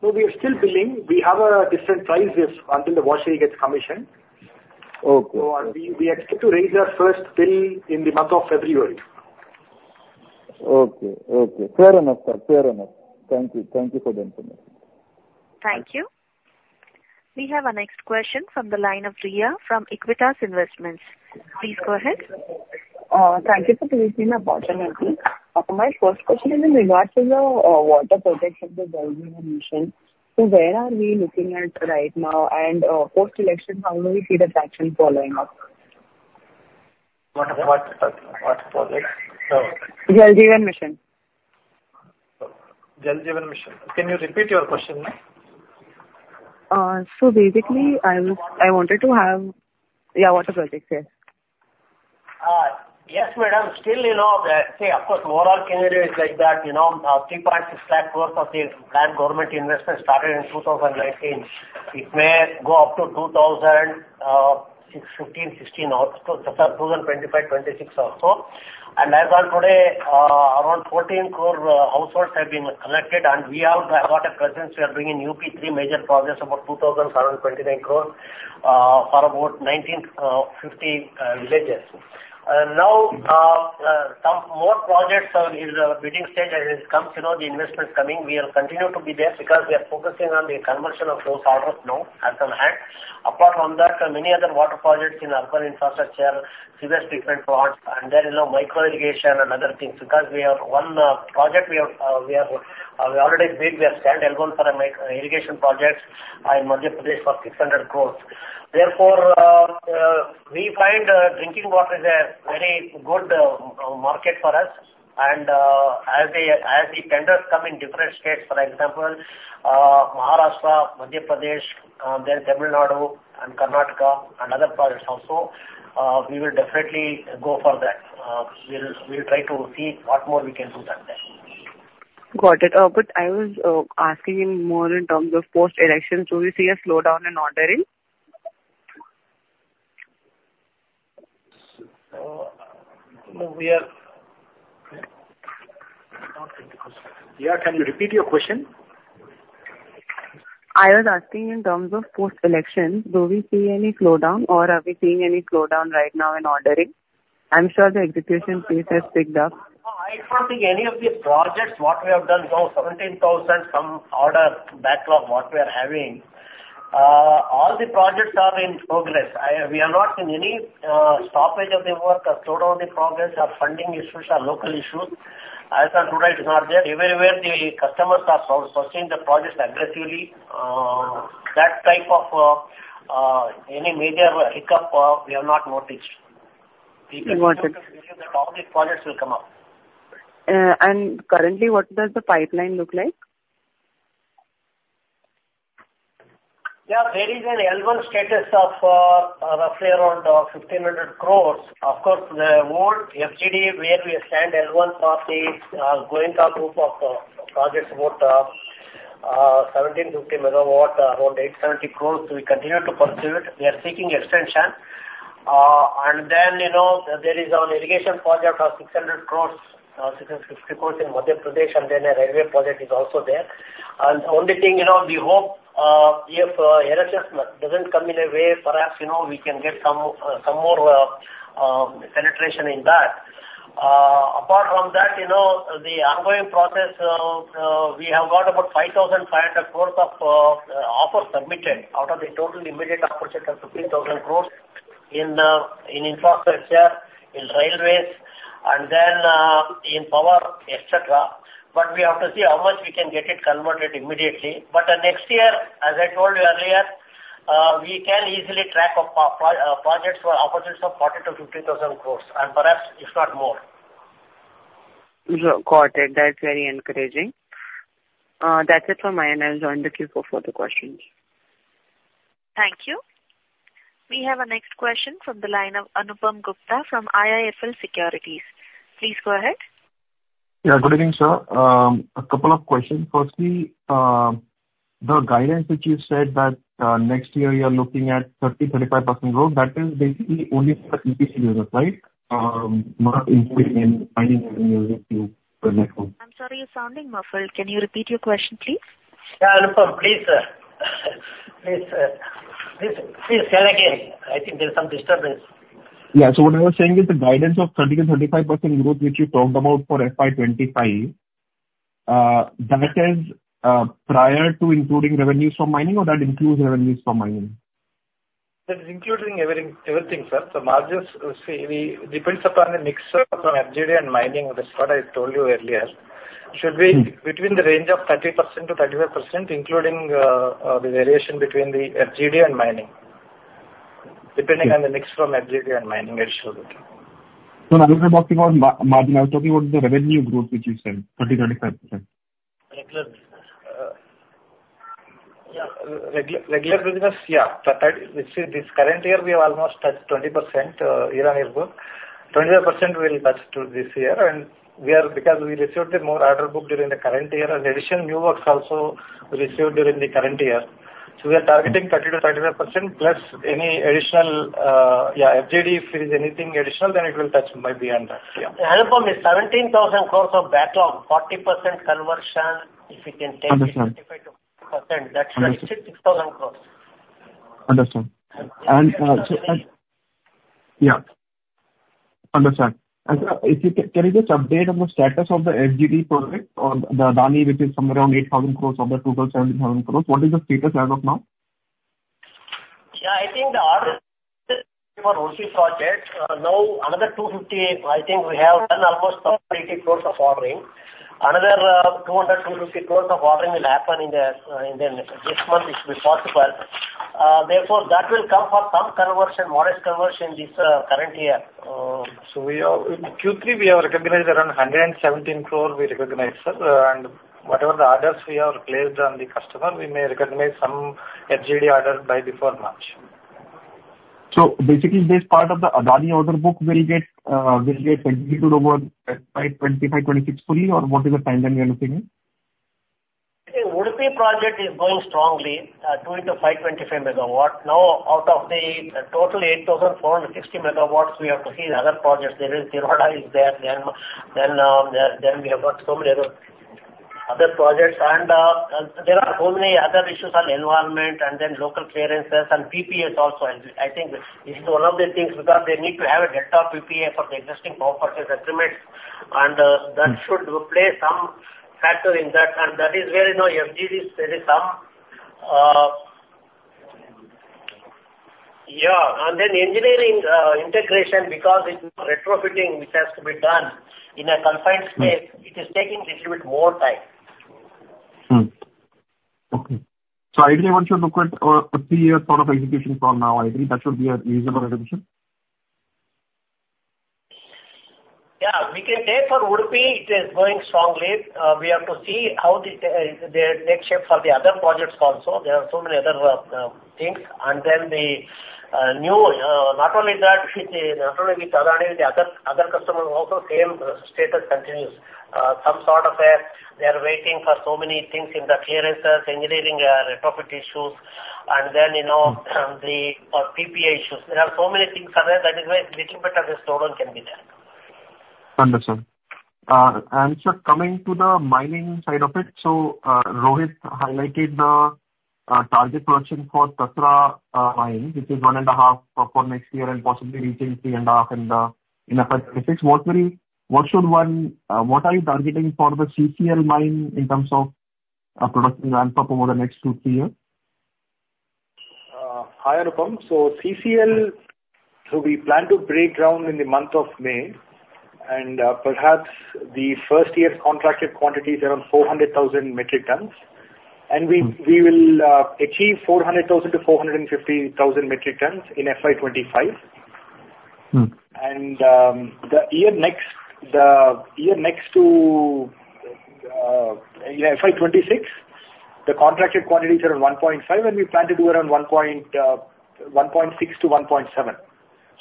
So we are still billing. We have different prices until the washery gets commissioned. Okay. We expect to raise our first bill in the month of February. Okay. Okay. Fair enough, sir. Fair enough. Thank you. Thank you for the information. Thank you. We have our next question from the line of Riya from Aequitas Investments. Please go ahead. Thank you for giving me the opportunity. My first question is in regards to the water project of the Jal Jeevan Mission. Where are we looking at right now? Post-election, how do we see the traction following up? Water, water, water project, so. Jal Jeevan Mission. Jal Jeevan Mission. Can you repeat your question now? So basically, I wanted to have, yeah, water projects, yes. Yes, madam. Still, you know, see, of course, overall tenure is like that, you know, 3.6 lakh crore worth of the current government investment started in 2019. It may go up to 2025-2026 also. And as on today, around 14 crore households have been connected, and we have got a presence. We are doing in UP, three major projects, about 2,729 crore, for about 1,950 villages. Now, some more projects are in the bidding stage, and it comes, you know, the investment is coming. We will continue to be there because we are focusing on the conversion of those orders now as on hand. Apart from that, many other water projects in urban infrastructure, sewage treatment plants, and there is now micro irrigation and other things. Because we have one project we have, we have, we already bid, we have stand alone for a micro irrigation projects in Madhya Pradesh for 600 crore. Therefore, we find drinking water is a very good market for us. As the tenders come in different states, for example, Maharashtra, Madhya Pradesh, Tamil Nadu, and Karnataka and other projects also, we will definitely go for that. We'll try to see what more we can do than that. Got it. But I was asking more in terms of post-election. Do you see a slowdown in ordering? No, I'm not getting the question. Riya, can you repeat your question? I was asking in terms of post-election, do we see any slowdown or are we seeing any slowdown right now in ordering? I'm sure the execution pace has picked up. No, I don't think any of the projects, what we have done, you know, 17,000-some order backlog, what we are having, all the projects are in progress. I, we are not in any, stoppage of the work or slowdown the progress or funding issues or local issues. As of today, it is not there. Everywhere, the customers are pursuing the projects aggressively. That type of, any major hiccup, we have not noticed. Noted. All the projects will come up. And currently, what does the pipeline look like? Yeah, there is an L1 status of, roughly around, 1,500 crore. Of course, the old FGD where we stand L1 for the, Goenka Group of, projects about, 1,750 MW, around 870 crore. We continue to pursue it. We are seeking extension. And then, you know, there is an irrigation project of 600 crore in Madhya Pradesh, and then a railway project is also there. And the only thing, you know, we hope, if, election doesn't come in a way, perhaps, you know, we can get some, some more, penetration in that. Apart from that, you know, the ongoing process, we have got about 5,500 crore of offers submitted out of the total immediate opportunities of 15,000 crore in infrastructure, in railways and then in power, et cetera. But we have to see how much we can get it converted immediately. But the next year, as I told you earlier, we can easily track of projects for opportunities of 40,000 crore-50,000 crore and perhaps if not more. Got it. That's very encouraging. That's it from my end. I'll join the queue for further questions. Thank you. We have our next question from the line of Anupam Gupta from IIFL Securities. Please go ahead. Yeah, good evening, sir. A couple of questions. Firstly, the guidance which you said that next year you are looking at 30%-35% growth, that is basically only for EPC business, right? Not including any mining revenue for next one. I'm sorry, you're sounding muffled. Can you repeat your question, please? Yeah, Anupam, please, sir. Please, please, please tell again. I think there's some disturbance. Yeah. So what I was saying is the guidance of 30%-35% growth, which you talked about for FY 2025, that is, prior to including revenues from mining or that includes revenues from mining? That is including everything, everything, sir. So margins, see, we depends upon the mix of FGD and mining. That's what I told you earlier. Should be. Mm. Between the range of 30%-35%, including the variation between the FGD and mining. Depending on the mix from FGD and mining, it should. So I'm not talking about margin. I'm talking about the revenue growth, which you said 30%-35%. Regular business. Yeah, regular business, yeah. 30%, which is this current year, we are almost at 20%, year-on-year growth. 25% we will touch to this year, and we are because we received the more order book during the current year and additional new works also received during the current year. So we are targeting 30%-35%, plus any additional, yeah, FGD, if there is anything additional, then it will touch maybe beyond that. Yeah. From the 17,000 crore of backlog, 40% conversion, if you can take. Understand. 35%-40%, that's 66,000 crore. Understand. Yeah. Understand. If you can, can you just update on the status of the FGD project on the Adani, which is somewhere around 8,000 crore of the total 17,000 crore. What is the status as of now? Yeah, I think the order for Udupi project, now another 250 crore, I think we have done almost 1080 crore of ordering. Another 200 crore-250 crore of ordering will happen in the, in the next, this month, it should be possible. Therefore, that will come for some conversion, modest conversion, this current year. We are, in Q3, we have recognized around 117 crore we recognized, sir. Whatever the orders we have placed on the customer, we may recognize some FGD order by before March. So basically, this part of the Adani order book will get executed over by 2025, 2026 fully or what is the timeline you are looking in? The Udupi project is going strongly, 2 into 525 MW. Now, out of the total 8,460 MW, we have to see the other projects. There is, then, then we have got so many other, other projects. And, there are so many other issues on environment and then local clearances and PPAs also. I, I think this is one of the things, because they need to have a delta PPA for the existing power purchase agreements, and. Mm. That should play some factor in that, and that is where, you know, FGD, there is some. Yeah, and then engineering integration, because it's retrofitting, which has to be done in a confined space. Mm. It is taking little bit more time. Mm-hmm. Okay. Ideally, one should look at a three-year sort of execution from now. I think that should be a reasonable execution? Yeah, we can say for Udupi, it is going strongly. We have to see how they take shape for the other projects also. There are so many other things. And then the new, not only that, with the, not only with Adani, the other, other customers also same status continues. Some sort of a, they are waiting for so many things in the clearances, engineering, retrofit issues, and then, you know, the PPA issues. There are so many things are there, that is why little bit of this slowdown can be there. Understand. And sir, coming to the mining side of it, so, Rohit highlighted the, target production for Tasra, mine, which is 1.5 for, for next year and possibly reaching 3.5 in, in the next six months. What will, what should one, what are you targeting for the CCL mine in terms of, production ramp up over the next two to three years? Hi, Anupam. So CCL, so we plan to break ground in the month of May, and perhaps the first year's contracted quantity is around 400,000 metric tons. We will achieve 400,000-450,000 metric tons in FY 2025. Mm. The next year to FY 2026, the contracted quantities are at 1.5, and we plan to do around 1.6-1.7.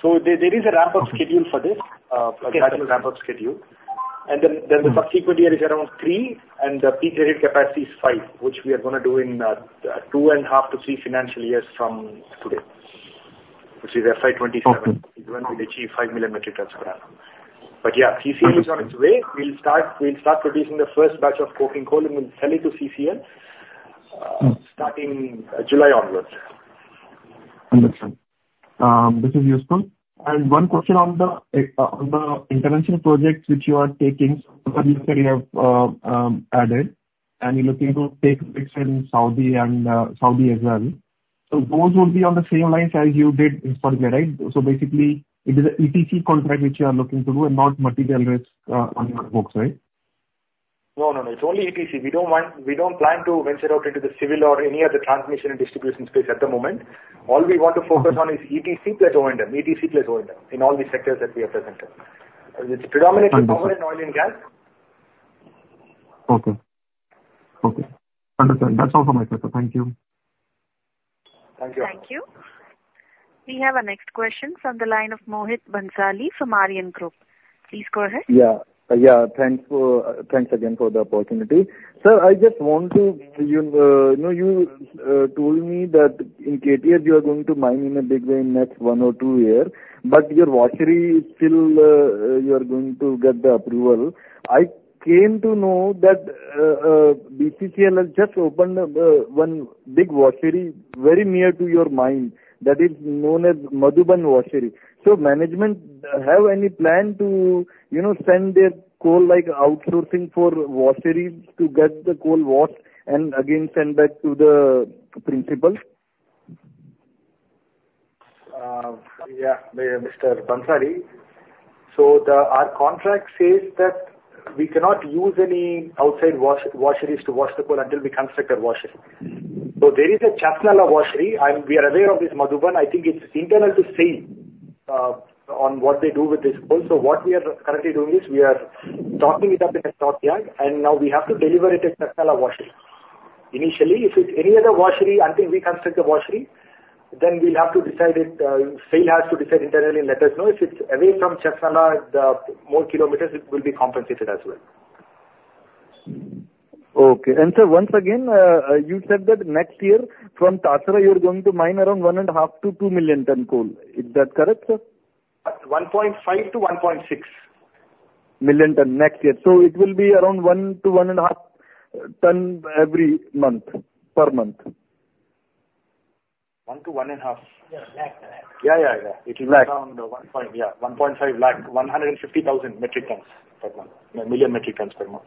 So there is a ramp up schedule for this. Okay. A gradual ramp up schedule. Then the subsequent year is around three, and the peak derivative capacity is five, which we are gonna do in two and a half to three financial years from today, which is FY 2027. Okay. When we achieve 5 million metric tons per annum. But yeah, CCL is on its way. We'll start producing the first batch of coking coal, and we'll sell it to CCL starting July onwards. Understand. This is useful. And one question on the international projects which you are taking, you said you have added, and you're looking to take mix in Saudi and Saudi as well. So those will be on the same lines as you did in Australia, right? So basically, it is a ETC contract which you are looking to do and not material risk on your books, right? No, no, no. It's only ETC. We don't plan to venture out into the civil or any other transmission and distribution space at the moment. All we want to focus on is ETC plus O&M. ETC plus O&M, in all the sectors that we are present in. It's predominantly. Understood. Power and oil and gas. Okay. Okay, understood. That's all for my question. Thank you. Thank you. Thank you. We have our next question from the line of Mohit Bhansali from Aryan Group. Please go ahead. Yeah. Yeah, thanks for, thanks again for the opportunity. Sir, I just want to, you, you know, you told me that in KTR, you are going to mine in a big way in next one or two year, but your washery is still, you are going to get the approval. I came to know that, BCCL has just opened up, one big washery very near to your mine, that is known as Madhuban Washery. So management, have any plan to, you know, send their coal, like, outsourcing for washery to get the coal washed and again sent back to the principal? Yeah, Mr. Bhansali. So the, our contract says that we cannot use any outside washeries to wash the coal until we construct a washery. So there is a Chasnalla washery, and we are aware of this Madhuban. I think it's internal to SAIL on what they do with this coal. So what we are currently doing is, we are stocking it up in a stockyard, and now we have to deliver it at Chasnalla washery. Initially, if it's any other washery, until we construct the washery, then we'll have to decide it, SAIL has to decide internally and let us know. If it's away from Chasnalla, the more kilometers, it will be compensated as well. Okay. Sir, once again, you said that next year from Talabira, you're going to mine around 1.5 million-2 million ton coal. Is that correct, sir? 1.5-1.6. Million ton next year. So it will be around 1-1.5 ton every month, per month. 1-1.5? Yeah, lakh. Yeah, yeah, yeah. Lakh. It is around 1.5 lakh, 150,000 metric tons per month. Yeah. 150,000 metric tons per month. Million metric tons per month.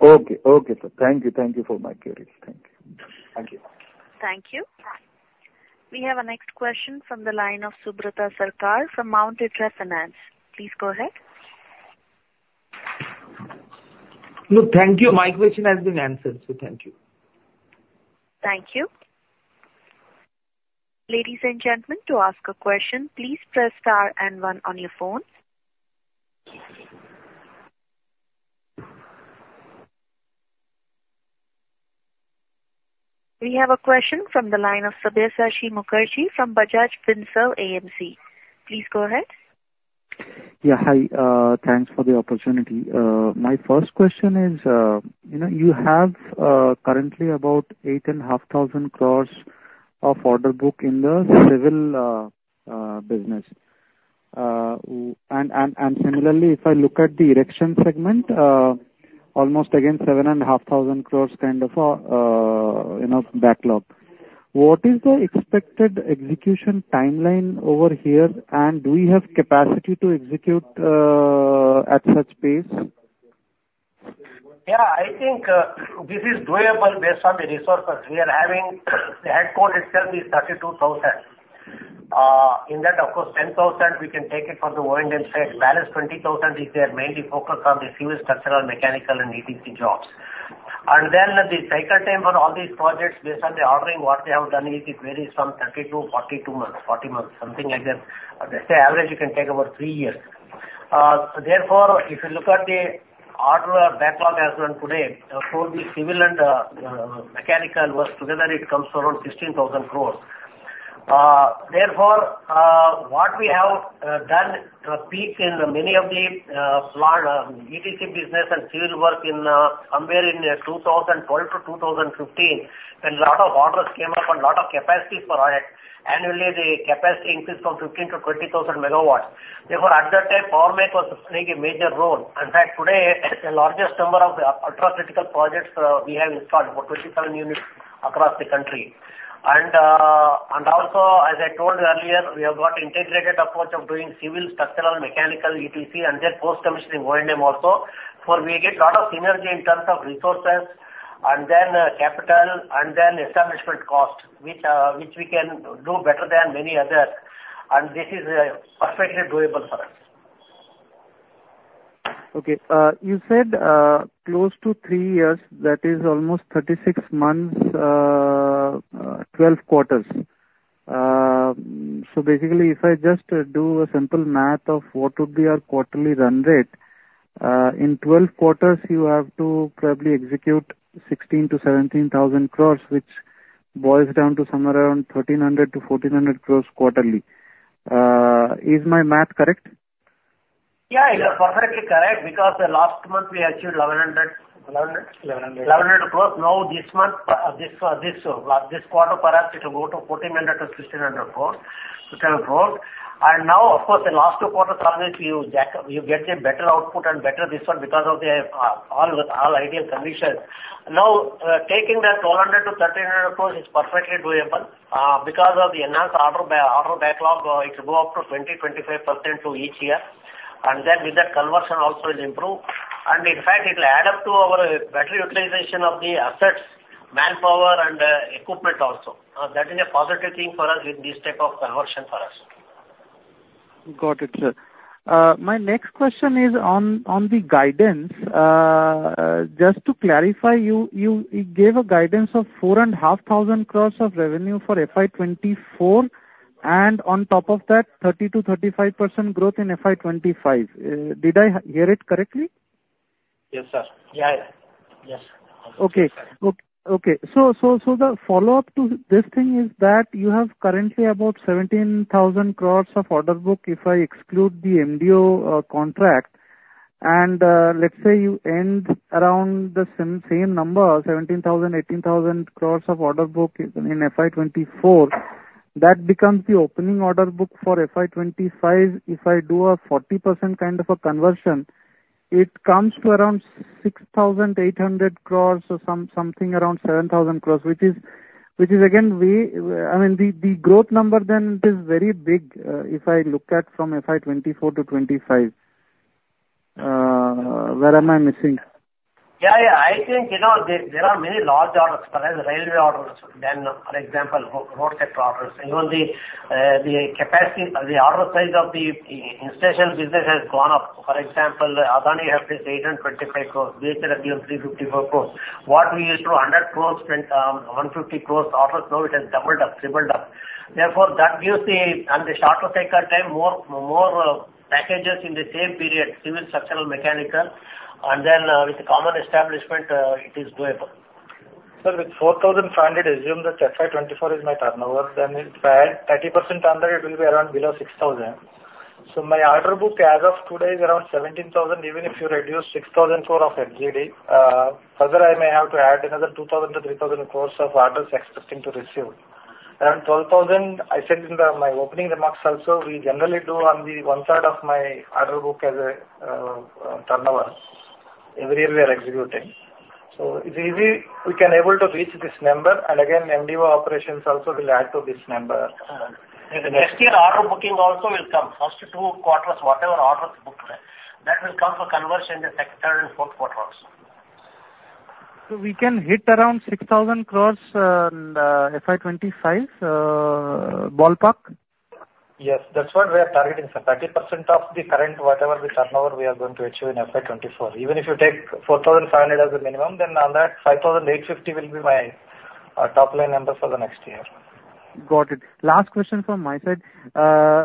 Okay. Okay, sir. Thank you. Thank you for my queries. Thank you. Thank you. Thank you. We have our next question from the line of Subrata Sarkar from Mount Everest Finance. Please go ahead. No, thank you. My question has been answered, so thank you. Thank you. Ladies and gentlemen, to ask a question, please press star and one on your phone. We have a question from the line of Sabyasachi Mukerji from Bajaj Finserv AMC. Please go ahead. Yeah, hi. Thanks for the opportunity. My first question is, you know, you have currently about 8,500 crore of order book in the civil business. And similarly, if I look at the erection segment, almost again 7,500 crore kind of, you know, backlog. What is the expected execution timeline over here, and do you have capacity to execute at such pace? Yeah, I think this is doable based on the resources we are having. The headcount itself is 32,000. In that, of course, 10,000 we can take it from the O&M side. Balance 20,000, if they are mainly focused on the civil, structural, mechanical and ETC jobs. And then the cycle time for all these projects, based on the ordering, what they have done is, it varies from 30-42 months, 40 months, something like that. Let's say average, it can take about three years. So therefore, if you look at the order backlog as on today, for the civil and mechanical works together, it comes to around 16,000 crore. Therefore, what we have done peak in many of the large, ETC business and civil work in, somewhere in, 2012 to 2015, when lot of orders came up and lot of capacity for it, annually, the capacity increased from 15,000 MW to 20,000 MW. Therefore, at that time, Power Mech was playing a major role. In fact, today, the largest number of the ultra-critical projects, we have installed about 27 units across the country. And also, as I told you earlier, we have got integrated approach of doing civil, structural, mechanical, ETC, and then post-commissioning O&M also. So we get a lot of synergy in terms of resources, and then, capital, and then establishment cost, which we can do better than many others, and this is, perfectly doable for us. Okay, you said, close to three years, that is almost 36 months, 12 quarters. So basically, if I just do a simple math of what would be our quarterly run rate, in 12 quarters, you have to probably execute 16,000 crore-17,000 crore, which boils down to somewhere around 1,300 crore-1,400 crore quarterly. Is my math correct? Yeah, you are perfectly correct, because the last month we achieved 1,100? 1,100. 1,100 crore. Now, this month, this quarter, perhaps it will go to 1,400 crore-1,600 crore. Now, of course, the last two quarters, always you get, you get a better output and better this one because of the, all the, all ideal conditions. Now, taking that 1,200 crore-1,300 crore is perfectly doable, because of the enhanced order backlog, it will go up to 20%-25% each year, and then with that, conversion also will improve. In fact, it will add up to our better utilization of the assets, manpower, and equipment also. That is a positive thing for us in this type of conversion for us. Got it, sir. My next question is on the guidance. Just to clarify, you gave a guidance of 4,500 crore of revenue for FY 2024, and on top of that, 30%-35% growth in FY 2025. Did I hear it correctly? Yes, sir. Yeah, yeah. Yes. Okay. So the follow-up to this thing is that you have currently about 17,000 crore of order book, if I exclude the MDO contract, and let's say you end around the same number, 17,000 crore-18,000 crore of order book in FY 2024, that becomes the opening order book for FY 2025. If I do a 40% kind of a conversion, it comes to around 6,800 crore or something around 7,000 crore, which is again way, I mean, the growth number then is very big, if I look at from FY 2024 to 2025. Where am I missing? Yeah, yeah. I think, you know, there, there are many large orders, perhaps railway orders, than, for example, road sector orders. Even the, the capacity, the order size of the, the installation business has gone up. For example, Adani has this 825 crore, BHEL has 354 crore. What we used to 100 crore, then, 150 crore orders, now it has doubled up, tripled up. Therefore, that gives the, on the shorter cycle time, more, more, packages in the same period, civil, structural, mechanical, and then, with the common establishment, it is doable. Sir, with 4,500 crore, assume that FY 2024 is my turnover, then if I add 30% on that, it will be around below 6,000 crore. My order book as of today is around 17,000 crore, even if you reduce 6,000 crore for FGD. Further, I may have to add another 2,000 crore-3,000 crore of orders expecting to receive. Around 12,000 crore, I said in my opening remarks also, we generally do one third of my order book as a turnover every year we are executing. It's easy, we can able to reach this number, and again, MDO operations also will add to this number. Next year, order booking also will come. First two quarters, whatever orders booked, that will come for conversion in the second and fourth quarters. So we can hit around 6,000 crore in FY 2025, ballpark? Yes, that's what we are targeting, sir. 30% of the current, whatever the turnover we are going to achieve in FY 2024. Even if you take 4,500 crore as a minimum, then on that, 5,850 crore will be my top-line numbers for the next year. Got it. Last question from my side.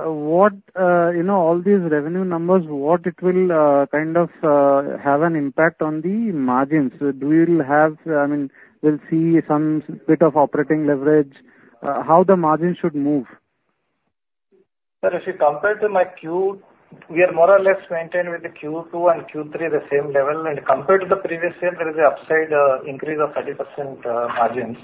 What, you know, all these revenue numbers, what it will kind of have an impact on the margins? Do you will have, I mean, we'll see some bit of operating leverage, how the margin should move? Sir, if you compare to my Q, we are more or less maintained with the Q2 and Q3 the same level. Compared to the previous year, there is a upside, increase of 30% margins.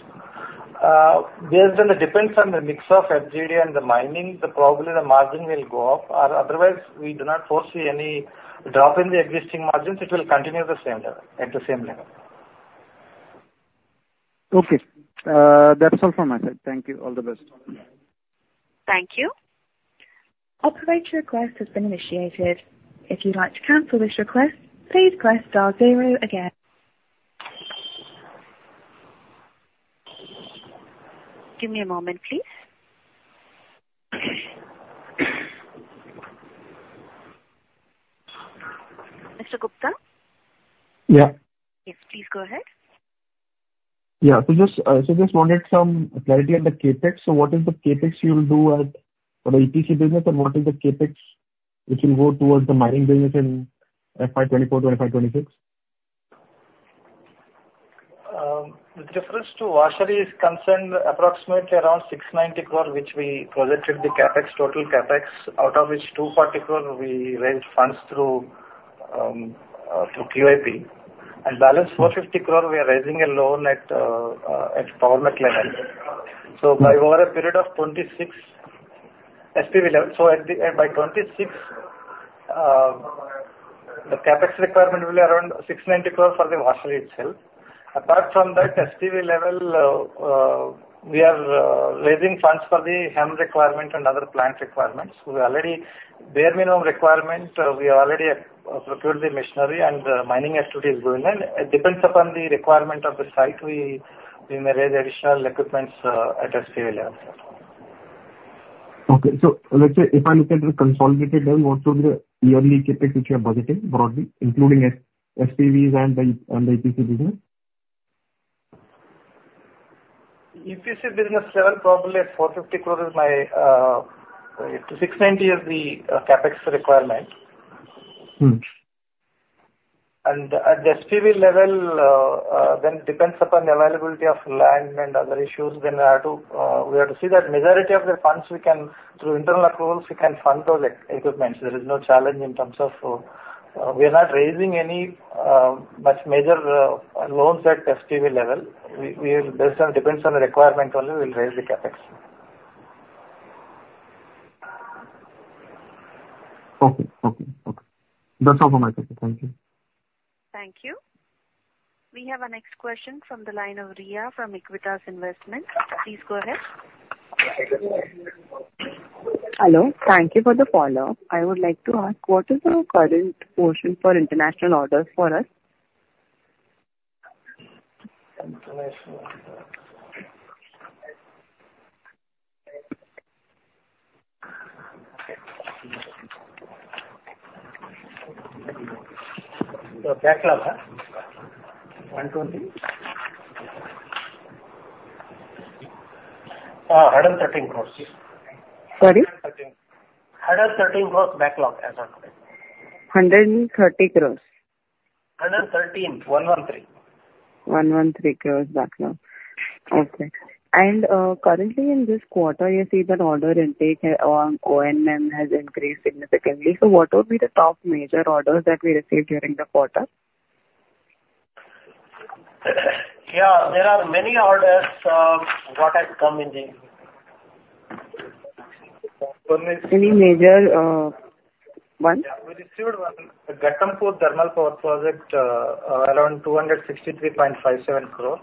Based on the depends on the mix of FGD and the mining, the probably the margin will go up, or otherwise, we do not foresee any drop in the existing margins. It will continue the same level, at the same level. Okay, that's all from my side. Thank you. All the best. Thank you. Operator request has been initiated. If you'd like to cancel this request, please press star zero again. Give me a moment, please. Mr. Gupta? Yeah. Yes, please go ahead. Yeah. So just, so just wanted some clarity on the CapEx. So what is the CapEx you will do at, for the EPC business and what is the CapEx which will go towards the mining business in FY 2024-FY 2026? With reference to washery is concerned, approximately around 690 crore, which we projected the CapEx, total CapEx, out of which 240 crore we raised funds through through QIP. And balance 450 crore, we are raising a loan at a government level. So by over a period of 2026, SPV level, so at the, by 2026, the CapEx requirement will be around 690 crore for the washery itself. Apart from that, SPV level, we are raising funds for the HEMM requirement and other plant requirements. We already, bare minimum requirement, we already acquired the machinery, and the mining activity is going on. It depends upon the requirement of the site, we, we may raise additional equipments at SPV level. Okay, so let's say if I look at the consolidated term, what should be the yearly CapEx, which you are budgeting broadly, including SPVs and the EPC business? EPC business level, probably at 450 crore is my, 690 crore is the CapEx requirement. Mm. At the SPV level, then it depends upon the availability of land and other issues, then we have to, we have to see that majority of the funds we can, through internal approvals, we can fund those equipments. There is no challenge in terms of. We are not raising any, much major, loans at SPV level. We, we will based on, depends on the requirement only, we'll raise the CapEx. Okay. Okay, okay. That's all for my question. Thank you. Thank you. We have our next question from the line of Riya from Equitas Investments. Please go ahead. Hello. Thank you for the follow-up. I would like to ask, what is our current portion for international orders for us? International. INR 113 crore. Sorry? INR 113 crore backlog as on today. 130 crore? 113. 1, 1, 3. 113 crore backlog. Okay. And currently in this quarter, you see that order intake on O&M has increased significantly. So what would be the top major orders that we received during the quarter? Yeah, there are many orders, what has come in the. Any major, one? Yeah, we received one, the Ghatampur Thermal Power project, around 263.57 crore.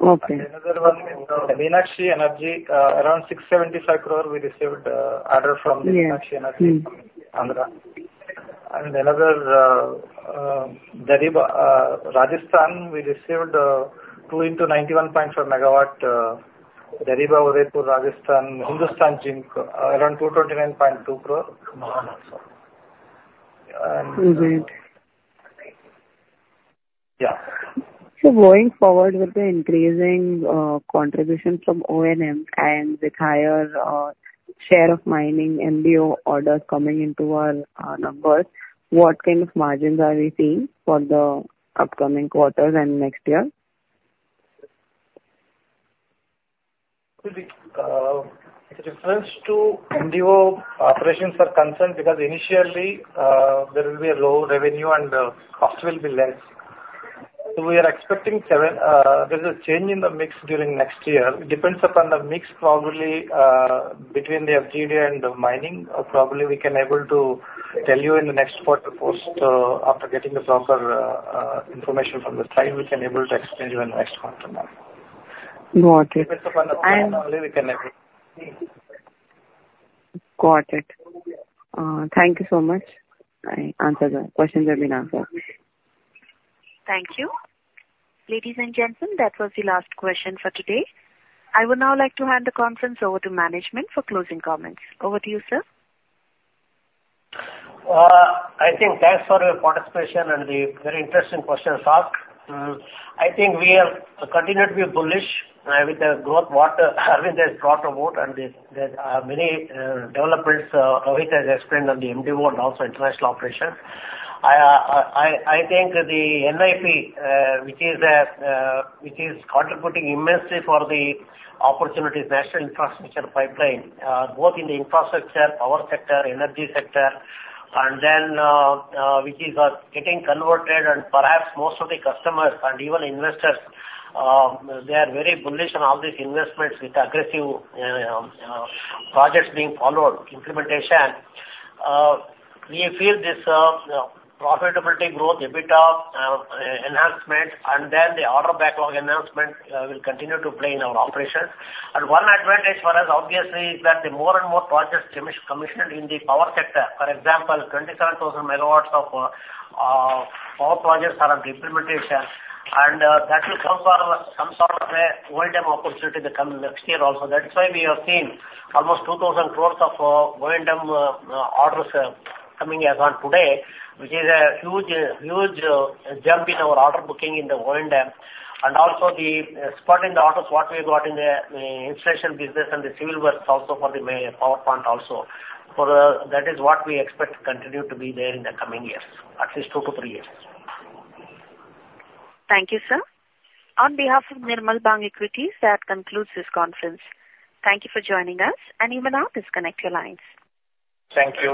Okay. Another one is the Meenakshi Energy, around 675 crore, we received, order from. Yeah. Mm. Meenakshi Energy from Andhra. And another, Dariba, Rajasthan, we received, 2 into 91.5 MW, Dariba, Udaipur, Rajasthan, Hindustan Zinc, around INR 229.2 crore from them also. And. Mm-hmm. Yeah. Going forward with the increasing contributions from O&M and with higher share of mining MDO orders coming into our numbers, what kind of margins are we seeing for the upcoming quarters and next year? With reference to MDO operations are concerned, because initially, there will be a low revenue and, cost will be less. So we are expecting, there's a change in the mix during next year. It depends upon the mix, probably, between the FGD and the mining. Probably, we can able to tell you in the next quarter post, after getting a proper, information from the site, we can able to explain you in the next quarter now. Got it. And. Only we can able. Got it. Thank you so much. I answer the questions have been answered. Thank you. Ladies and gentlemen, that was the last question for today. I would now like to hand the conference over to management for closing comments. Over to you, sir. I think thanks for your participation and the very interesting questions asked. I think we are continued to be bullish with the growth what, I mean, there's growth about, and there are many developments. Rohit has explained on the MDO and also international operations. I think the NIP, which is a National Infrastructure Pipeline, which is contributing immensely for the opportunities, both in the infrastructure, power sector, energy sector, and then which is getting converted. And perhaps most of the customers and even investors, they are very bullish on all these investments with aggressive projects being followed, implementation. We feel this profitability growth, EBITDA enhancement, and then the order backlog enhancement will continue to play in our operations. One advantage for us, obviously, is that the more and more projects commissioned in the power sector, for example, 27,000 MW of power projects are under implementation, and that will come for some sort of a wind down opportunity to come next year also. That's why we have seen almost 2,000 crore of wind down orders coming as on today, which is a huge, huge jump in our order booking in the wind down. And also the spot in the orders, what we got in the installation business and the civil works also for the Mahan power plant also. For the, that is what we expect to continue to be there in the coming years, at least two to three years. Thank you, sir. On behalf of Nirmal Bang Equities, that concludes this conference. Thank you for joining us, and you may now disconnect your lines. Thank you.